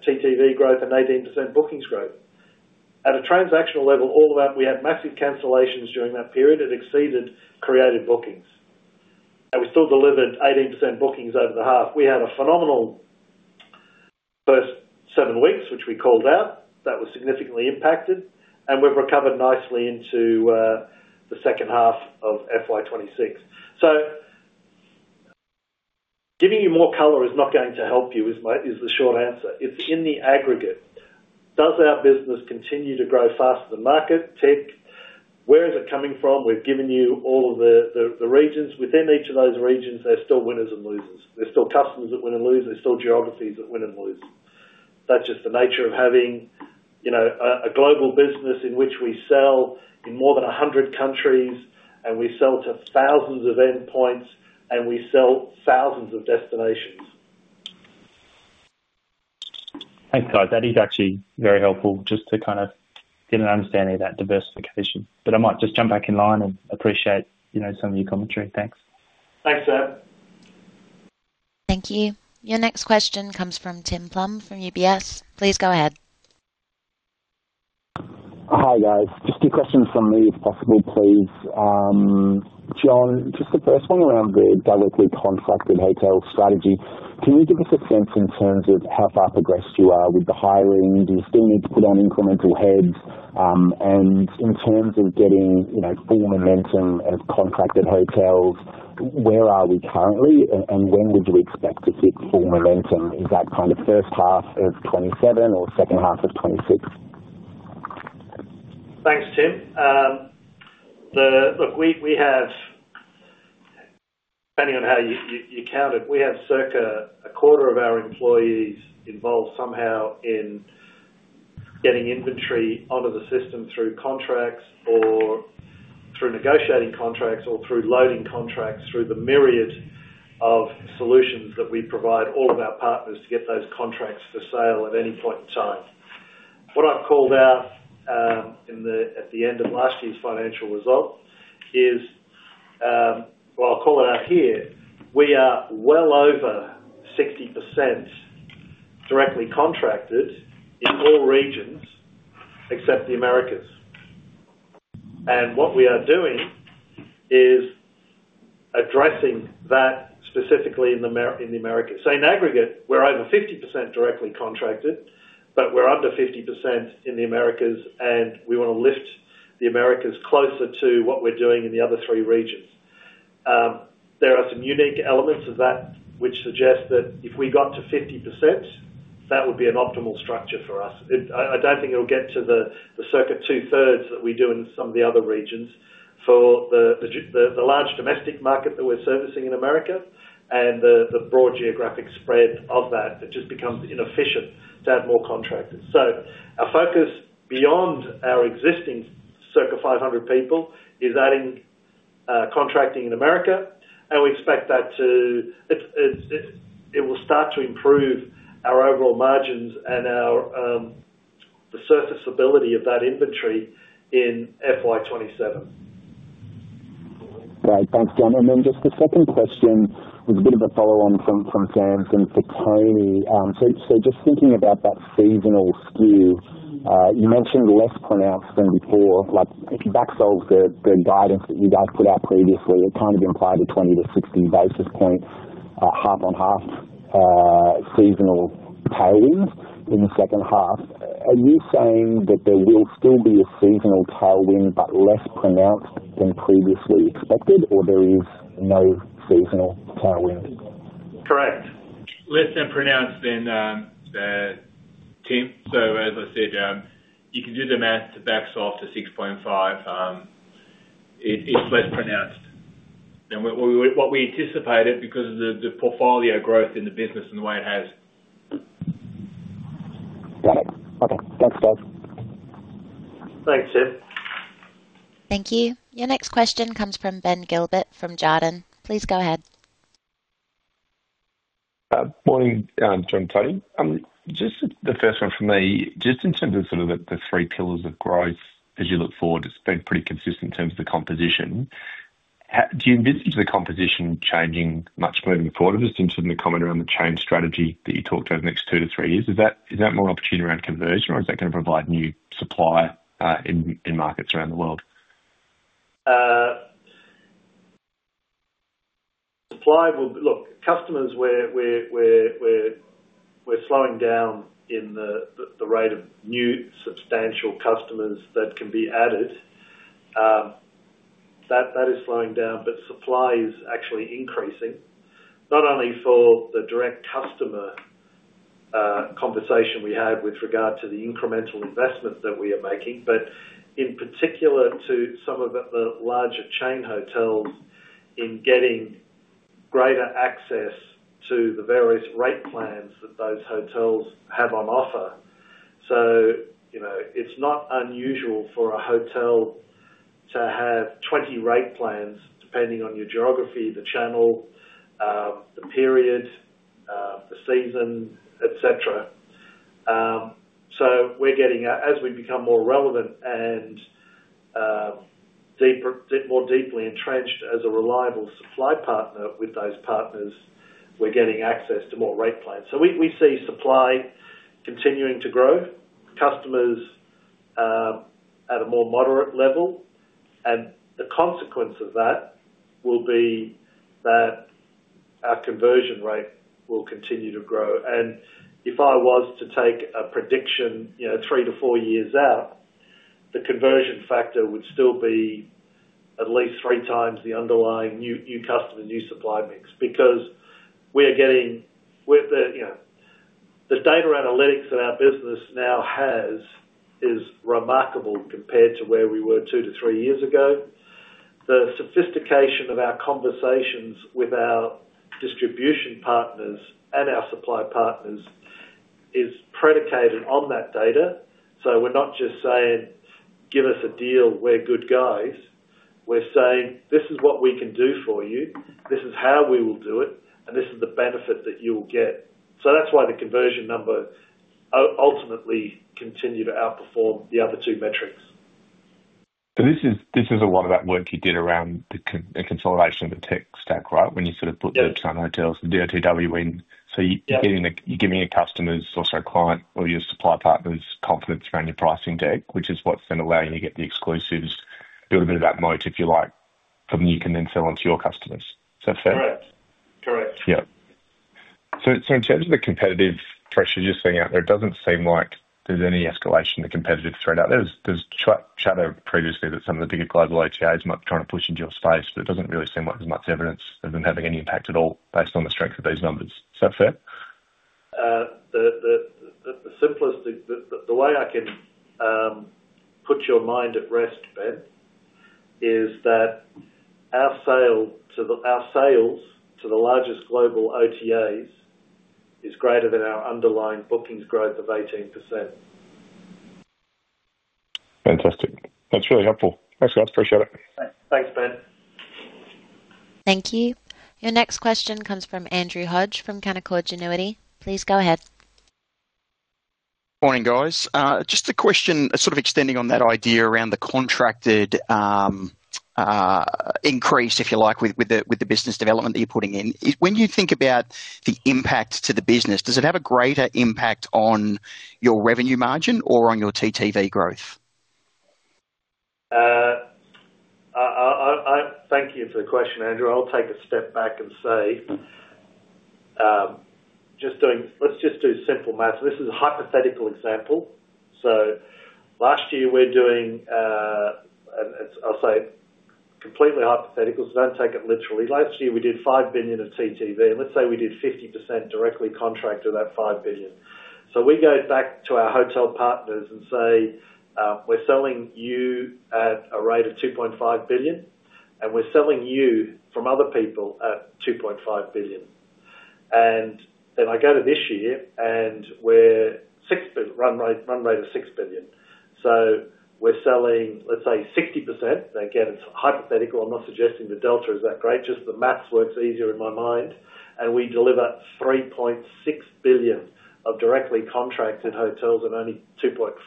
TTV Growth and 18% Bookings Growth. At a transactional level, we had massive cancellations during that period. It exceeded created Bookings. We still delivered 18% Bookings over the half. We had a phenomenal first seven weeks, which we called out. That was significantly impacted. We've recovered nicely into the Second Half of FY2026. Giving you more color is not going to help you is the short answer. It's in the aggregate. Does our business continue to grow faster than market? Tick. Where is it coming from? We've given you all of the Regions. Within each of those Regions, there are still winners and losers. There are still customers that win and lose. There are still geographies that win and lose. That's just the nature of having a global business in which we sell in more than 100 countries, and we sell to thousands of endpoints, and we sell thousands of destinations. Thanks, guys. That is actually very helpful just to kind of get an understanding of that diversification. I might just jump back in line and appreciate some of your commentary. Thanks. Thanks, Sam. Thank you. Your next question comes from Tim Plumbe from UBS. Please go ahead. Hi, guys. Just two questions from me, if possible, please. John, just the first one around the Directly Contracted Hotel Strategy. Can you give us a sense in terms of how far progressed you are with the hiring? Do you still need to put on incremental heads? In terms of getting full momentum of Contracted Hotels, where are we currently, and when would you expect to hit full momentum? Is that kind of first half of 2027 or second half of 2026? Thanks, Tim. Look, depending on how you count it, we have circa a quarter of our employees involved somehow in getting inventory onto the System through Contracts or through negotiating Contracts or through loading contracts through the myriad of solutions that we provide all of our Partners to get those Contracts for sale at any point in time. What I've called out at the end of last year's Financial Result is, well, I'll call it out here, we are well over 60% Directly Contracted in all Regions except the Americas. What we are doing is addressing that specifically in the Americas. In aggregate, we're over 50% Directly Contracted, but we're under 50% in the Americas, and we want to lift the Americas closer to what we're doing in the other three Regions. There are some unique elements of that which suggest that if we got to 50%, that would be an optimal structure for us. I don't think it'll get to the circa two-thirds that we do in some of the other Regions for the large Domestic Market that we're servicing in America and the broad Geographic Spread of that. It just becomes inefficient to add more contractors. Our focus beyond our existing circa 500 people is adding Contracting in America, and we expect that it will start to improve our overall margins and the surfaceability of that Inventory in FY2027. Right. Thanks, John. The second question was a bit of a follow-on from Sam and to Tony. Just thinking about that seasonal skew, you mentioned less pronounced than before. If you backsold the guidance that you guys put out previously, it kind of implied a 20-60 basis point half-on-half seasonal tailwind in the second half. Are you saying that there will still be a seasonal tailwind but less pronounced than previously expected, or there is no seasonal tailwind? Correct. Less-than-pronounced than Tim. As I said, you can do the math to backsold to 6.5%. It's less pronounced than what we anticipated because of the portfolio growth in the business and the way it has. Got it. Okay. Thanks, guys. Thanks, Tim. Thank you. Your next question comes from Ben Gilbert from Jarden. Please go ahead. Morning, John and Tony. Just the first one from me. Just in terms of sort of the Three Pillars of Growth as you look forward, it's been pretty consistent in terms of the composition. Do you envisage the composition changing much moving forward? Just in terms of the comment around the Chain Strategy that you talked over the next two to three years, is that more opportunity around Conversion, or is that going to provide new Supply in Markets around the world? Supply will look, customers, we're slowing down in the rate of new substantial customers that can be added. That is slowing down, but Supply is actually increasing, not only for the direct customer conversation we have with regard to the incremental investment that we are making, but in particular to some of the larger Chain Hotels in getting greater access to the various Rate Plans that those hotels have on offer. It is not unusual for a hotel to have 20 Rate Plans depending on your geography, the channel, the period, the season, etc. As we become more relevant and more deeply entrenched as a reliable Supply Partner with those Partners, we are getting access to more Rate Plans. We see Supply continuing to grow, customers at a more moderate level, and the consequence of that will be that our Conversion Rate will continue to grow. If I was to take a prediction three to four years out, the Conversion Factor would still be at least three times the underlying New Customer, New Supply Mix. Because we're getting the data analytics that our business now has is remarkable compared to where we were two to three years ago. The sophistication of our conversations with our Distribution Partners and our Supply Partners is predicated on that data. We're not just saying, "Give us a deal. We're good guys." We're saying, "This is what we can do for you. This is how we will do it, and this is the benefit that you will get." That's why the Conversion Number ultimately continued to outperform the other two metrics. This is a lot of that work you did around the consolidation of the Tech Stack, right, when you sort of put the Channel Hotels and DOTW in. You are giving your customers or client or your Supply Partners confidence around your pricing deck, which is what is then allowing you to get the exclusives, build a bit of that moat, if you like, and you can then sell onto your customers. Is that fair? Correct. Correct. Yep. In terms of the competitive pressure you are seeing out there, it does not seem like there is any escalation of the competitive threat out there. There is chatter previously that some of the bigger global HCIs might be trying to push into your space, but it does not really seem like there is much evidence of them having any impact at all based on the strength of those numbers. Is that fair? The simplest thing, the way I can put your mind at rest, Ben, is that our sales to the largest global OTAs is greater than our underlying bookings growth of 18%. Fantastic. That's really helpful. Thanks, guys. Appreciate it. Thanks, Ben. Thank you. Your next question comes from Andrew Hodge from Canaccord Genuity. Please go ahead. Morning, guys. Just a question sort of extending on that idea around the Contracted Increase, if you like, with the Business Development that you're putting in. When you think about the impact to the business, does it have a greater impact on your Revenue Margin or on your TTV Growth? Thank you for the question, Andrew. I'll take a step back and say, let's just do simple math. This is a hypothetical example. So last year, we're doing, and I'll say completely hypothetical, so don't take it literally. Last year, we did 5 billion of TTV, and let's say we did 50% Directly Contract of that 5 billion. We go back to our Hotel Partners and say, "We're selling you at a rate of 2.5 billion, and we're selling you from other people at 2.5 billion." I go to this year, and we're run rate of 6 billion. We're selling, let's say, 60%. Again, it's hypothetical. I'm not suggesting the delta is that great. Just the math works easier in my mind. We deliver $3.6 billion of Directly Contracted hotels and only 2.4 billion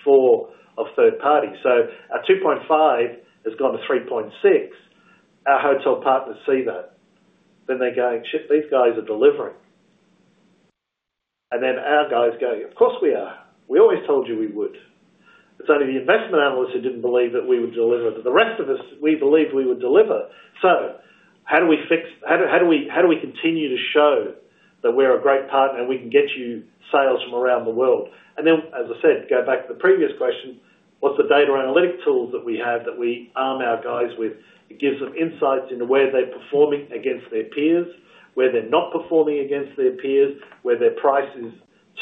of Third Party. Our 2.5 billion has gone to 3.6 billion. Our hotel partners see that. They're going, "Shit, these guys are delivering." Our guys go, "Of course we are. We always told you we would." It's only the Investment Analysts who didn't believe that we would deliver. The rest of us, we believed we would deliver. How do we fix? How do we continue to show that we're a great Partner and we can get you Sales from around the world? As I said, go back to the previous question. What's the Data Analytic Tools that we have that we arm our guys with? It gives them insights into where they're performing against their peers, where they're not performing against their peers, where their price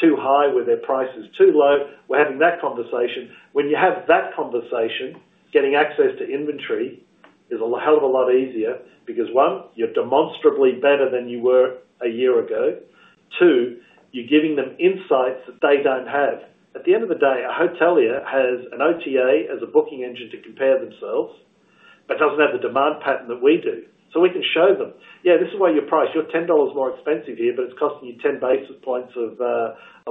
is too high, where their price is too low. We're having that conversation. When you have that conversation, getting access to inventory is a hell of a lot easier because, one, you're demonstrably better than you were a year ago. Two, you're giving them insights that they don't have. At the end of the day, a hotelier has an OTA as a booking engine to compare themselves but doesn't have the demand pattern that we do. We can show them, "Yeah, this is why your price. You're 10 dollars more expensive here, but it's costing you 10 basis points of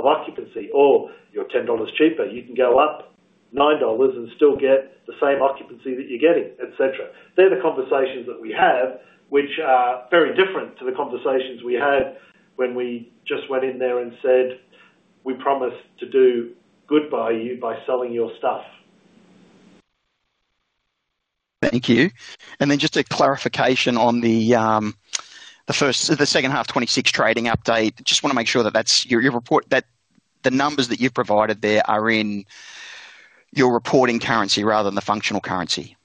occupancy." "You're 10 dollars cheaper. You can go up 9 dollars and still get the same occupancy that you're getting," etc. They're the conversations that we have, which are very different to the conversations we had when we just went in there and said, "We promise to do good by you by selling your stuff." Thank you. Just a clarification on the Second Half 2026 Trading Update. I just want to make sure that your report, that the numbers that you've provided there are in your Reporting Currency rather than the Functional Currency.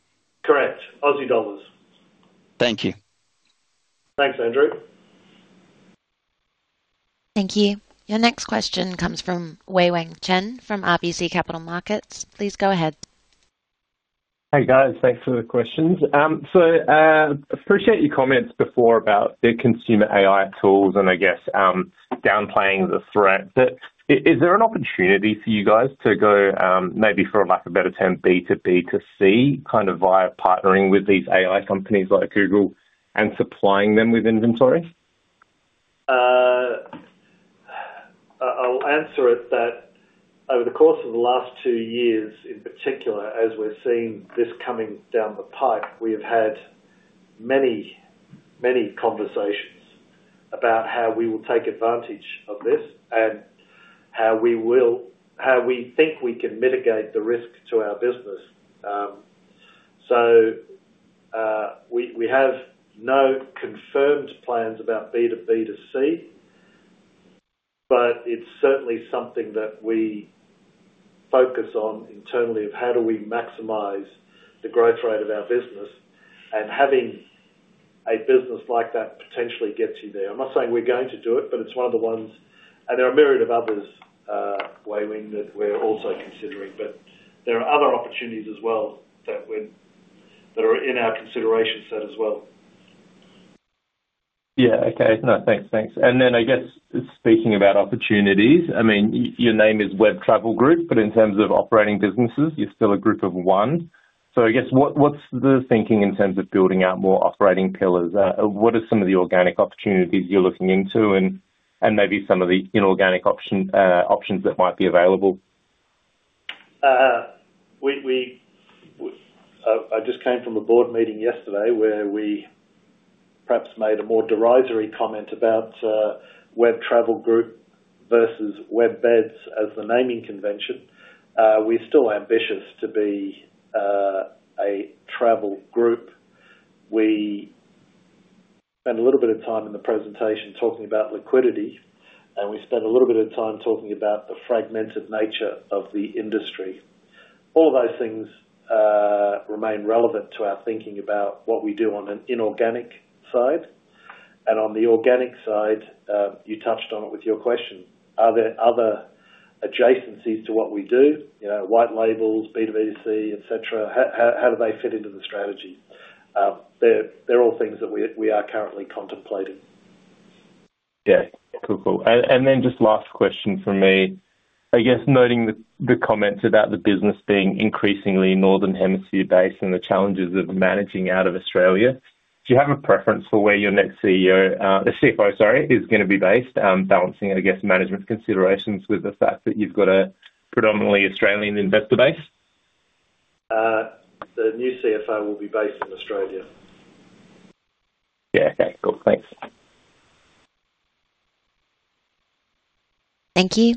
Correct. Aussie dollars. Thank you. Thanks, Andrew. Thank you. Your next question comes from Wei-Weng Chen from RBC Capital Markets. Please go ahead. Hey, guys. Thanks for the questions. I appreciate your comments before about the consumer AI tools and, I guess, downplaying the threat. Is there an opportunity for you guys to go maybe, for a lack of a better term, B2B to C kind of via partnering with these AI companies like Google and supplying them with inventory? I'll answer it that over the course of the last two years in particular, as we're seeing this coming down the pipe, we have had many, many conversations about how we will take advantage of this and how we think we can mitigate the risk to our business. We have no confirmed plans about B2B2C, but it's certainly something that we focus on internally, of how do we maximize the growth rate of our business. Having a business like that potentially gets you there. I'm not saying we're going to do it, but it's one of the ones. There are a myriad of others, Wei-Weng, that we're also considering. There are other opportunities as well that are in our consideration set as well. Yeah. Okay. No, thanks. Thanks. I guess speaking about opportunities, I mean, your name is Web Travel Group, but in terms of operating businesses, you're still a group of one. I guess what's the thinking in terms of building out more Operating Pillars? What are some of the organic opportunities you're looking into and maybe some of the inorganic options that might be available? I just came from a Board Meeting yesterday where we perhaps made a more derisory comment about Web Travel Group versus WebBeds as the naming convention. We're still ambitious to be a Travel Group. We spent a little bit of time in the presentation talking about liquidity, and we spent a little bit of time talking about the fragmented nature of the industry. All of those things remain relevant to our thinking about what we do on an inorganic side. On the organic side, you touched on it with your question. Are there other adjacencies to what we do? White labels, B2B2C, etc. How do they fit into the strategy? They're all things that we are currently contemplating. Yeah. Cool, cool. And then just last question for me. I guess noting the comments about the business being increasingly Northern Hemisphere-based and the challenges of managing out of Australia, do you have a preference for where your next CEO, the CFO, sorry, is going to be based, balancing, I guess, management considerations with the fact that you've got a predominantly Australian investor base? The new CFO will be based in Australia. Yeah. Okay. Cool. Thanks. Thank you.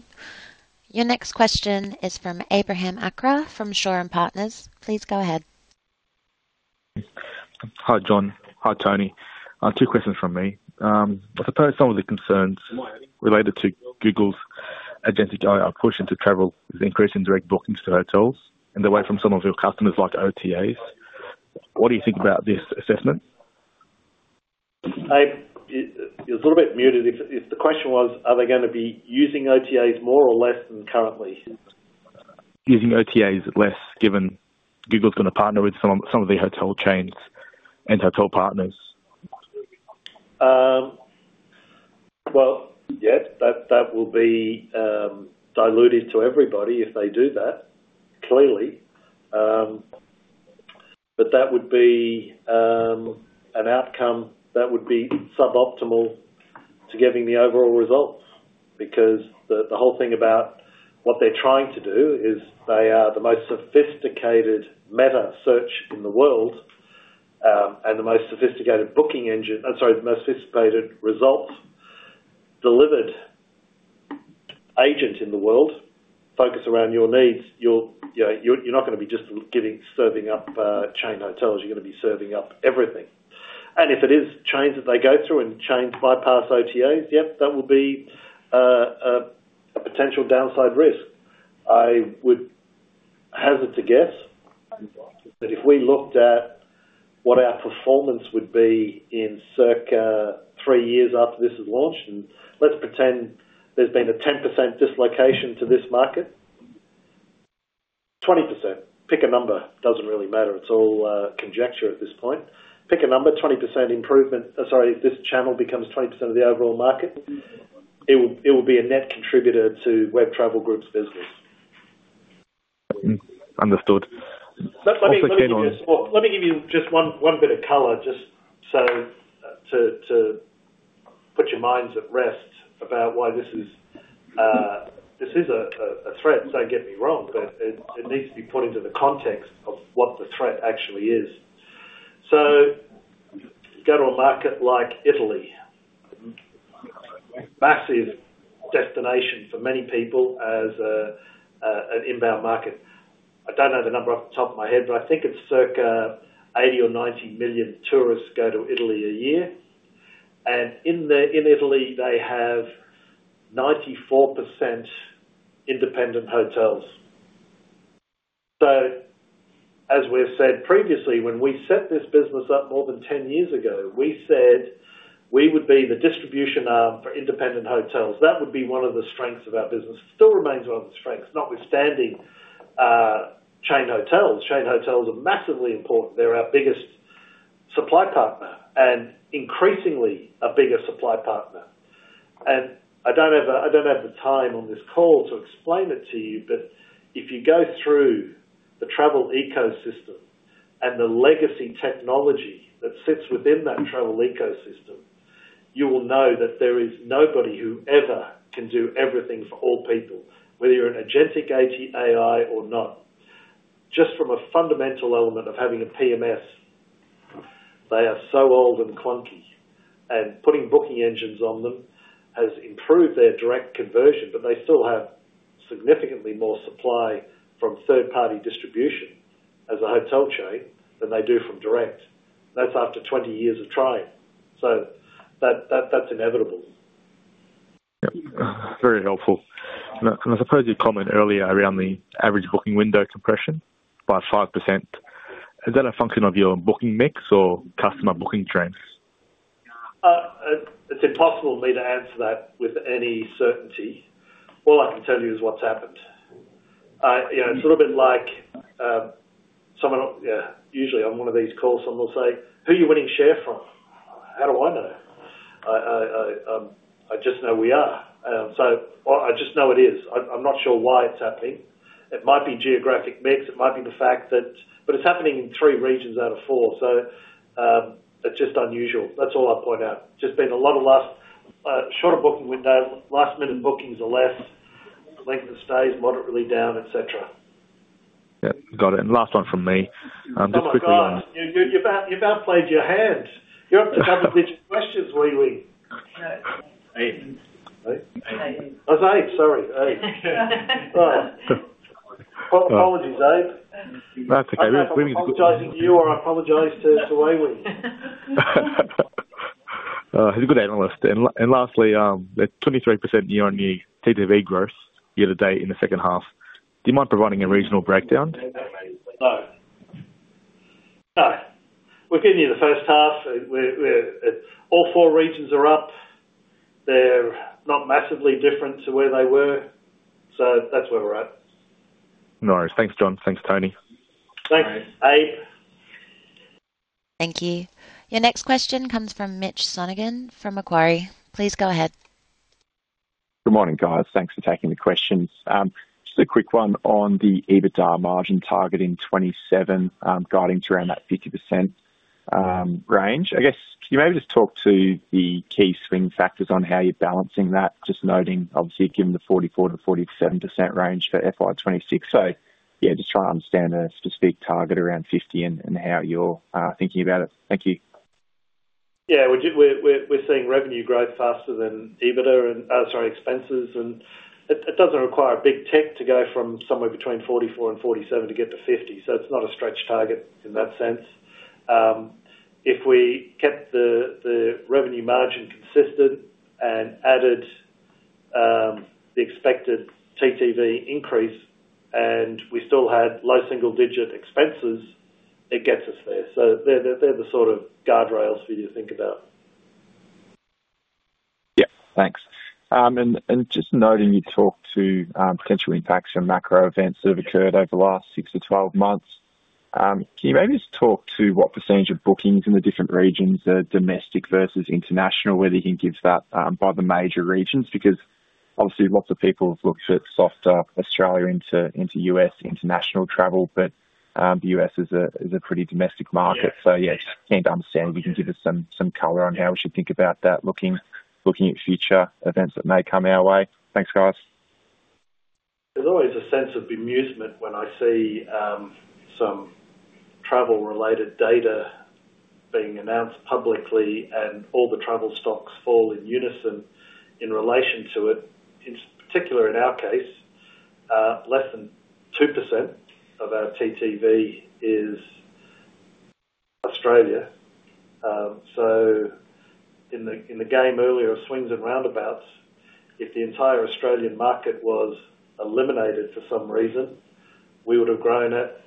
Your next question is from Abraham Akra from Shaw and Partners. Please go ahead. Hi, John. Hi, Tony. Two questions from me. I suppose some of the concerns related to Google's Agency Push into Travel is the increase in direct bookings to hotels and away from some of your customers like OTAs. What do you think about this assessment? It was a little bit muted. The question was, are they going to be using OTAs more or less than currently? Using OTAs less given Google's going to partner with some of the Hotel Chains and Hotel Partners. Yes, that will be diluted to everybody if they do that, clearly. That would be an outcome that would be suboptimal to giving the overall results because the whole thing about what they're trying to do is they are the most sophisticated meta search in the world and the most sophisticated booking engine, I'm sorry, the most sophisticated result-delivered agent in the world. Focus around your needs. You're not going to be just serving up Chain Hotels. You're going to be serving up everything. If it is chains that they go through and chains bypass OTAs, yep, that will be a potential downside risk. I would hazard to guess that if we looked at what our performance would be in circa three years after this is launched, and let's pretend there's been a 10% dislocation to this market. 20%. Pick a number. It doesn't really matter. It's all conjecture at this point. Pick a number. 20% improvement. Sorry. If this channel becomes 20% of the overall market, it will be a net contributor to Web Travel Group's business. Understood. Let me give you just one bit of color just so to put your minds at rest about why this is a threat. Don't get me wrong, but it needs to be put into the context of what the threat actually is. Go to a market like Italy. Massive destination for many people as an inbound market. I don't know the number off the top of my head, but I think it's circa 80 or 90 million tourists go to Italy a year. In Italy, they have 94% Independent Hotels. As we've said previously, when we set this business up more than 10 years ago, we said we would be the Distribution Arm for Independent Hotels. That would be one of the strengths of our business. It still remains one of the strengths. Notwithstanding Chain Hotels. Chain Hotels are massively important. They're our biggest Supply Partner and increasingly a bigger Supply Partner. I don't have the time on this call to explain it to you, but if you go through the Travel Ecosystem and the legacy technology that sits within that Travel Ecosystem, you will know that there is nobody who ever can do everything for all people, whether you're an Agentic AI or not. Just from a fundamental element of having a PMS, they are so old and clunky. Putting booking engines on them has improved their direct Conversion, but they still have significantly more Supply from third-party distribution as a Hotel Chain than they do from direct. That's after 20 years of trying. That is inevitable. Very helpful. I suppose your comment earlier around the average booking window compression by 5%, is that a function of your booking mix or customer booking trends? It's impossible for me to answer that with any certainty. All I can tell you is what's happened. It's a little bit like someone—yeah, usually on one of these calls, someone will say, "Who are you winning share from? How do I know?" I just know we are. So I just know it is. I'm not sure why it's happening. It might be Geographic Mix. It might be the fact that—but it's happening in three regions out of four. It's just unusual. That's all I'll point out. Just been a lot of short booking window. Last-Minute Bookings are less. Length of Stays moderately down, etc. Yeah. Got it. Last one from me. Just quickly on. You've outplayed your hand. You're up to double-digit questions, Wei-Weng. It's Abe. That's Abe. Sorry. Abe. Apologies, Abe. That's okay. We've been— I apologize to you or I apologize to Wei-weng. He's a good analyst. Lastly, at 23% year-on-year TTV Growth year-to-date in the second half, do you mind providing a Regional Breakdown? No. No. We're good near the first half. All four Regions are up. They're not massively different to where they were. That's where we're at. No worries. Thanks, John. Thanks, Tony. Thanks, Abe. Thank you. Your next question comes from Mitch Sonogan from Macquarie. Please go ahead. Good morning, guys. Thanks for taking the questions. Just a quick one on the EBITDA Margin Target in 2027, guiding to around that 50% range. I guess could you maybe just talk to the key swing factors on how you're balancing that? Just noting, obviously, you've given the 44%-47% range for FY2026. Just trying to understand a specific target around 50% and how you're thinking about it. Thank you. Yeah. We're seeing revenue grow faster than EBITDA and, sorry, expenses. It does not require big tech to go from somewhere between 44% and 47% to get to 50%. It is not a stretch target in that sense. If we kept the Revenue Margin consistent and added the expected TTV increase and we still had low single-digit expenses, it gets us there. They are the sort of guardrails for you to think about. Yeah. Thanks. Just noting you talked to potential impacts of Macro Events that have occurred over the last 6 to 12 months. Can you maybe just talk to what percentage of bookings in the different Regions, domestic versus international, whether you can give that by the major Regions? Obviously, lots of people have looked at softer Australia into U.S. international travel, but the U.S. is a pretty domestic market. Yeah, just came to understand if you can give us some color on how we should think about that, looking at future events that may come our way. Thanks, guys. There's always a sense of bemusement when I see some travel-related data being announced publicly and all the travel stocks fall in unison in relation to it. In particular, in our case, less than 2% of our TTV is Australia. In the game earlier of swings and roundabouts, if the entire Australian market was eliminated for some reason, we would have grown at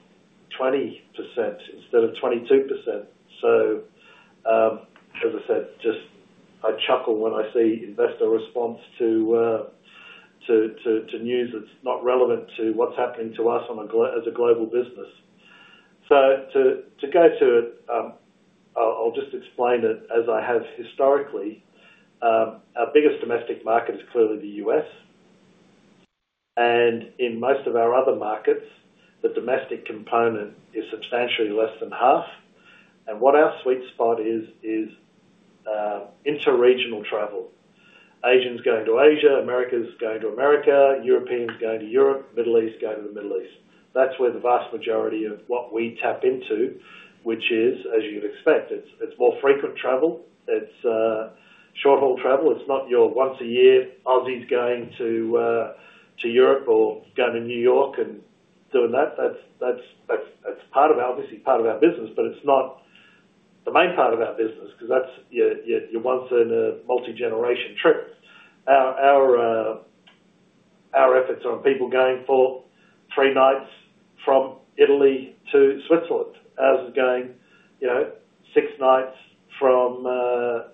20% instead of 22%. As I said, I chuckle when I see investor response to news that's not relevant to what's happening to us as a global business. To go to it, I'll just explain it as I have historically. Our biggest Domestic Market is clearly the U.S. In most of our other markets, the domestic component is substantially less than half. What our sweet spot is, is interregional travel. Asians going to Asia, Americans going to America, Europeans going to Europe, Middle East going to the Middle East. That is where the vast majority of what we tap into, which is, as you would expect, it is more frequent travel. It is short-haul travel. It is not your once-a-year Aussies going to Europe or going to New York and doing that. That is part of our—obviously, part of our business, but it is not the main part of our business because you are once in a multi-generation trip. Our efforts are on people going for three nights from Italy to Switzerland. Ours is going six nights from Paris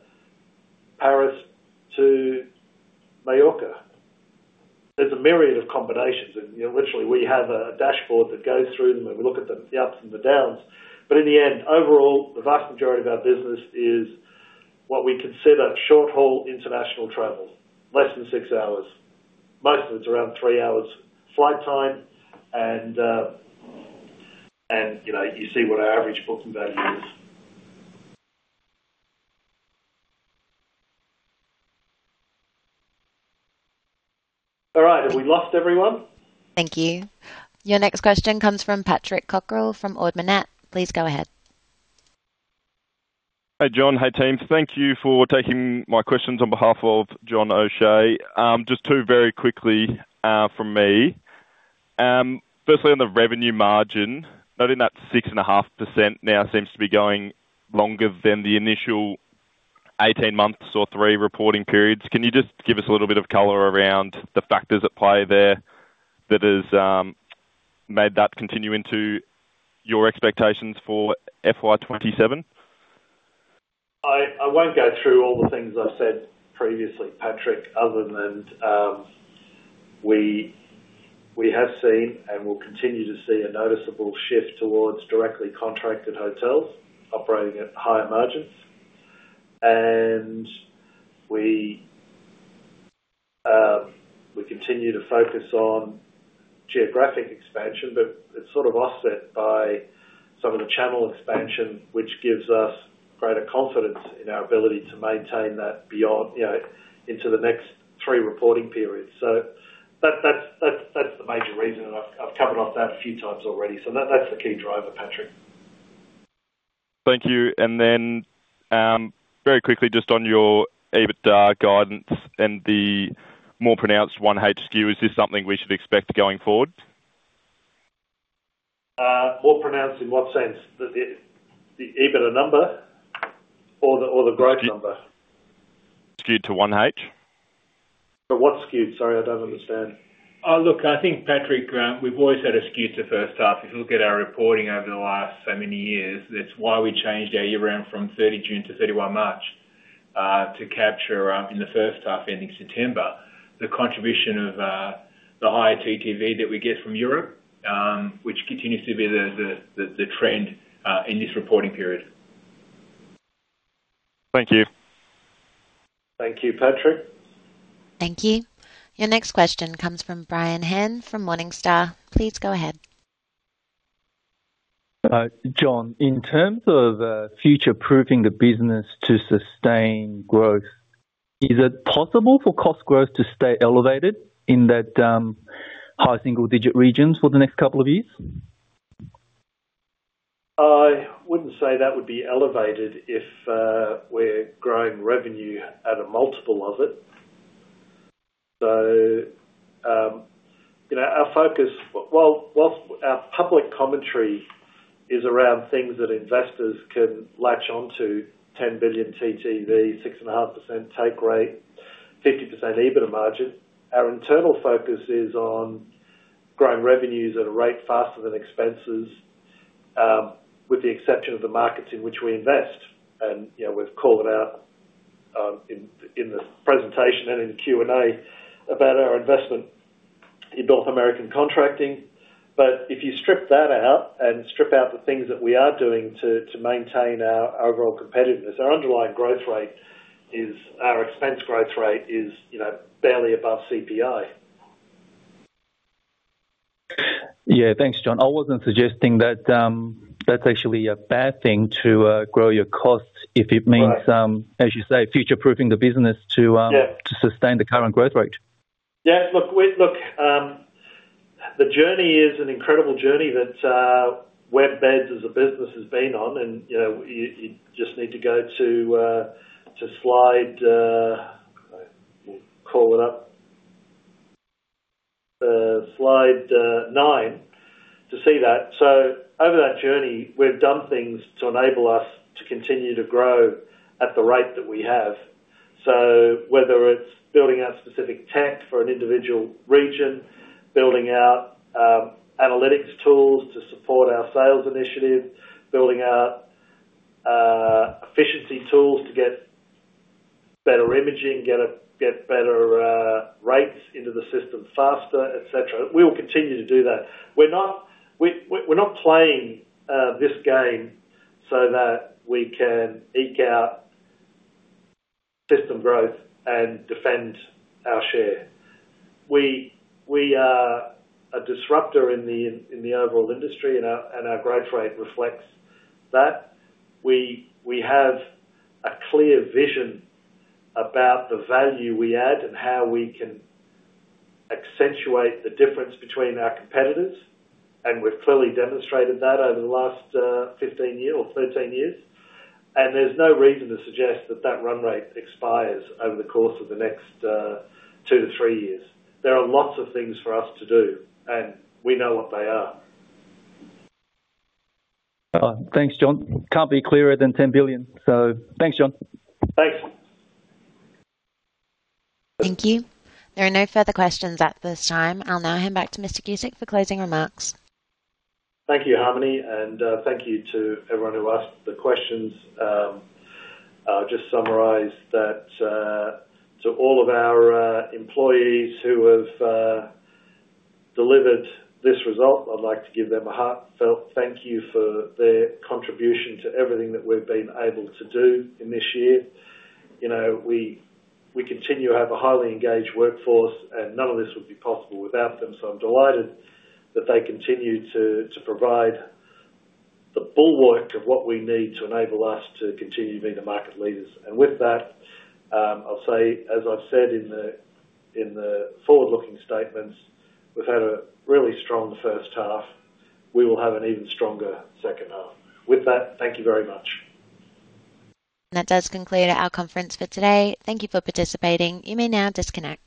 to Mallorca. There is a myriad of combinations. Literally, we have a dashboard that goes through them and we look at the ups and the downs. In the end, overall, the vast majority of our business is what we consider short-haul international travel, less than six hours. Most of it is around three hours flight time, and you see what our average Booking Value is. All right. Have we lost everyone? Thank you. Your next question comes from Patrick Cockerill from Ord Minnett. Please go ahead. Hi, John. Hi, team. Thank you for taking my questions on behalf of John O'Shea. Just two very quickly from me. Firstly, on the Revenue Margin, noting that 6.5% now seems to be going longer than the initial 18 months or three reporting periods. Can you just give us a little bit of color around the factors at play there that have made that continue into your expectations for FY2027? I won't go through all the things I've said previously, Patrick, other than we have seen and will continue to see a noticeable shift towards Directly Contracted Hotels operating at higher Margins. We continue to focus on Geographic Expansion, but it's sort of offset by some of the Channel Expansion, which gives us greater confidence in our ability to maintain that into the next three Reporting Periods. That's the major reason. I've covered off that a few times already. That's the key driver, Patrick. Thank you. Very quickly, just on your EBITDA Guidance and the more pronounced H1 skew, is this something we should expect going forward? More pronounced in what sense? The EBITDA number or the growth number? Skewed to H1. What's skewed? Sorry, I don't understand. I think, Patrick, we've always had a skew to First Half. If you look at our reporting over the last so many years, that's why we changed our year-round from June 30th to March 31st to capture in the First Half ending September. The contribution of the higher TTV that we get from Europe, which continues to be the trend in this Reporting Period. Thank you. Thank you, Patrick. Thank you. Your next question comes from Brian Henn from Morningstar. Please go ahead. John, in terms of future-proofing the business to sustain growth, is it possible for cost growth to stay elevated in that high single-digit regions for the next couple of years? I wouldn't say that would be elevated if we're growing Revenue at a multiple of it. Our focus—our public commentary is around things that investors can latch onto: 10 billion TTV, 6.5% Take Rate, 50% EBITDA Margin. Our internal focus is on growing revenues at a rate faster than Expenses, with the exception of the Markets in which we invest. We have called it out in the presentation and in Q&A about our investment in North American Contracting. If you strip that out and strip out the things that we are doing to maintain our overall competitiveness, our underlying Growth Rate is—our Expense Growth Rate is barely above CPI. Yeah. Thanks, John. I was not suggesting that that is actually a bad thing to grow your costs if it means, as you say, future-proofing the business to sustain the current Growth Rate. Yeah. Look, the journey is an incredible journey that WebBeds as a business has been on. You just need to go to slide—what is it called? We will call it up—slide nine to see that. Over that journey, we've done things to enable us to continue to grow at the rate that we have. Whether it's building out specific tech for an individual region, building out analytics tools to support our Sales initiative, building out Efficiency Tools to get better imaging, get better rates into the System faster, etc., we will continue to do that. We're not playing this game so that we can eke out System Growth and defend our share. We are a disruptor in the overall industry, and our Growth Rate reflects that. We have a clear vision about the value we add and how we can accentuate the difference between our competitors. We've clearly demonstrated that over the last 15 years or 13 years. There's no reason to suggest that that Run Rate expires over the course of the next two to three years. There are lots of things for us to do, and we know what they are. Thanks, John. Can't be clearer than 10 billion. Thanks, John. Thank you. There are no further questions at this time. I will now hand back to Mr. Guscic for closing remarks. Thank you, Harmony. Thank you to everyone who asked the questions. I will just summarize that to all of our employees who have delivered this result, I would like to give them a heartfelt thank you for their contribution to everything that we have been able to do in this year. We continue to have a highly engaged workforce, and none of this would be possible without them. I am delighted that they continue to provide the bulwark of what we need to enable us to continue to be the Market Leaders. With that, I'll say, as I've said in the Forward-Looking Statements, we've had a really strong First Half. We will have an even stronger Second Half. With that, thank you very much. That does conclude our conference for today. Thank you for participating. You may now disconnect.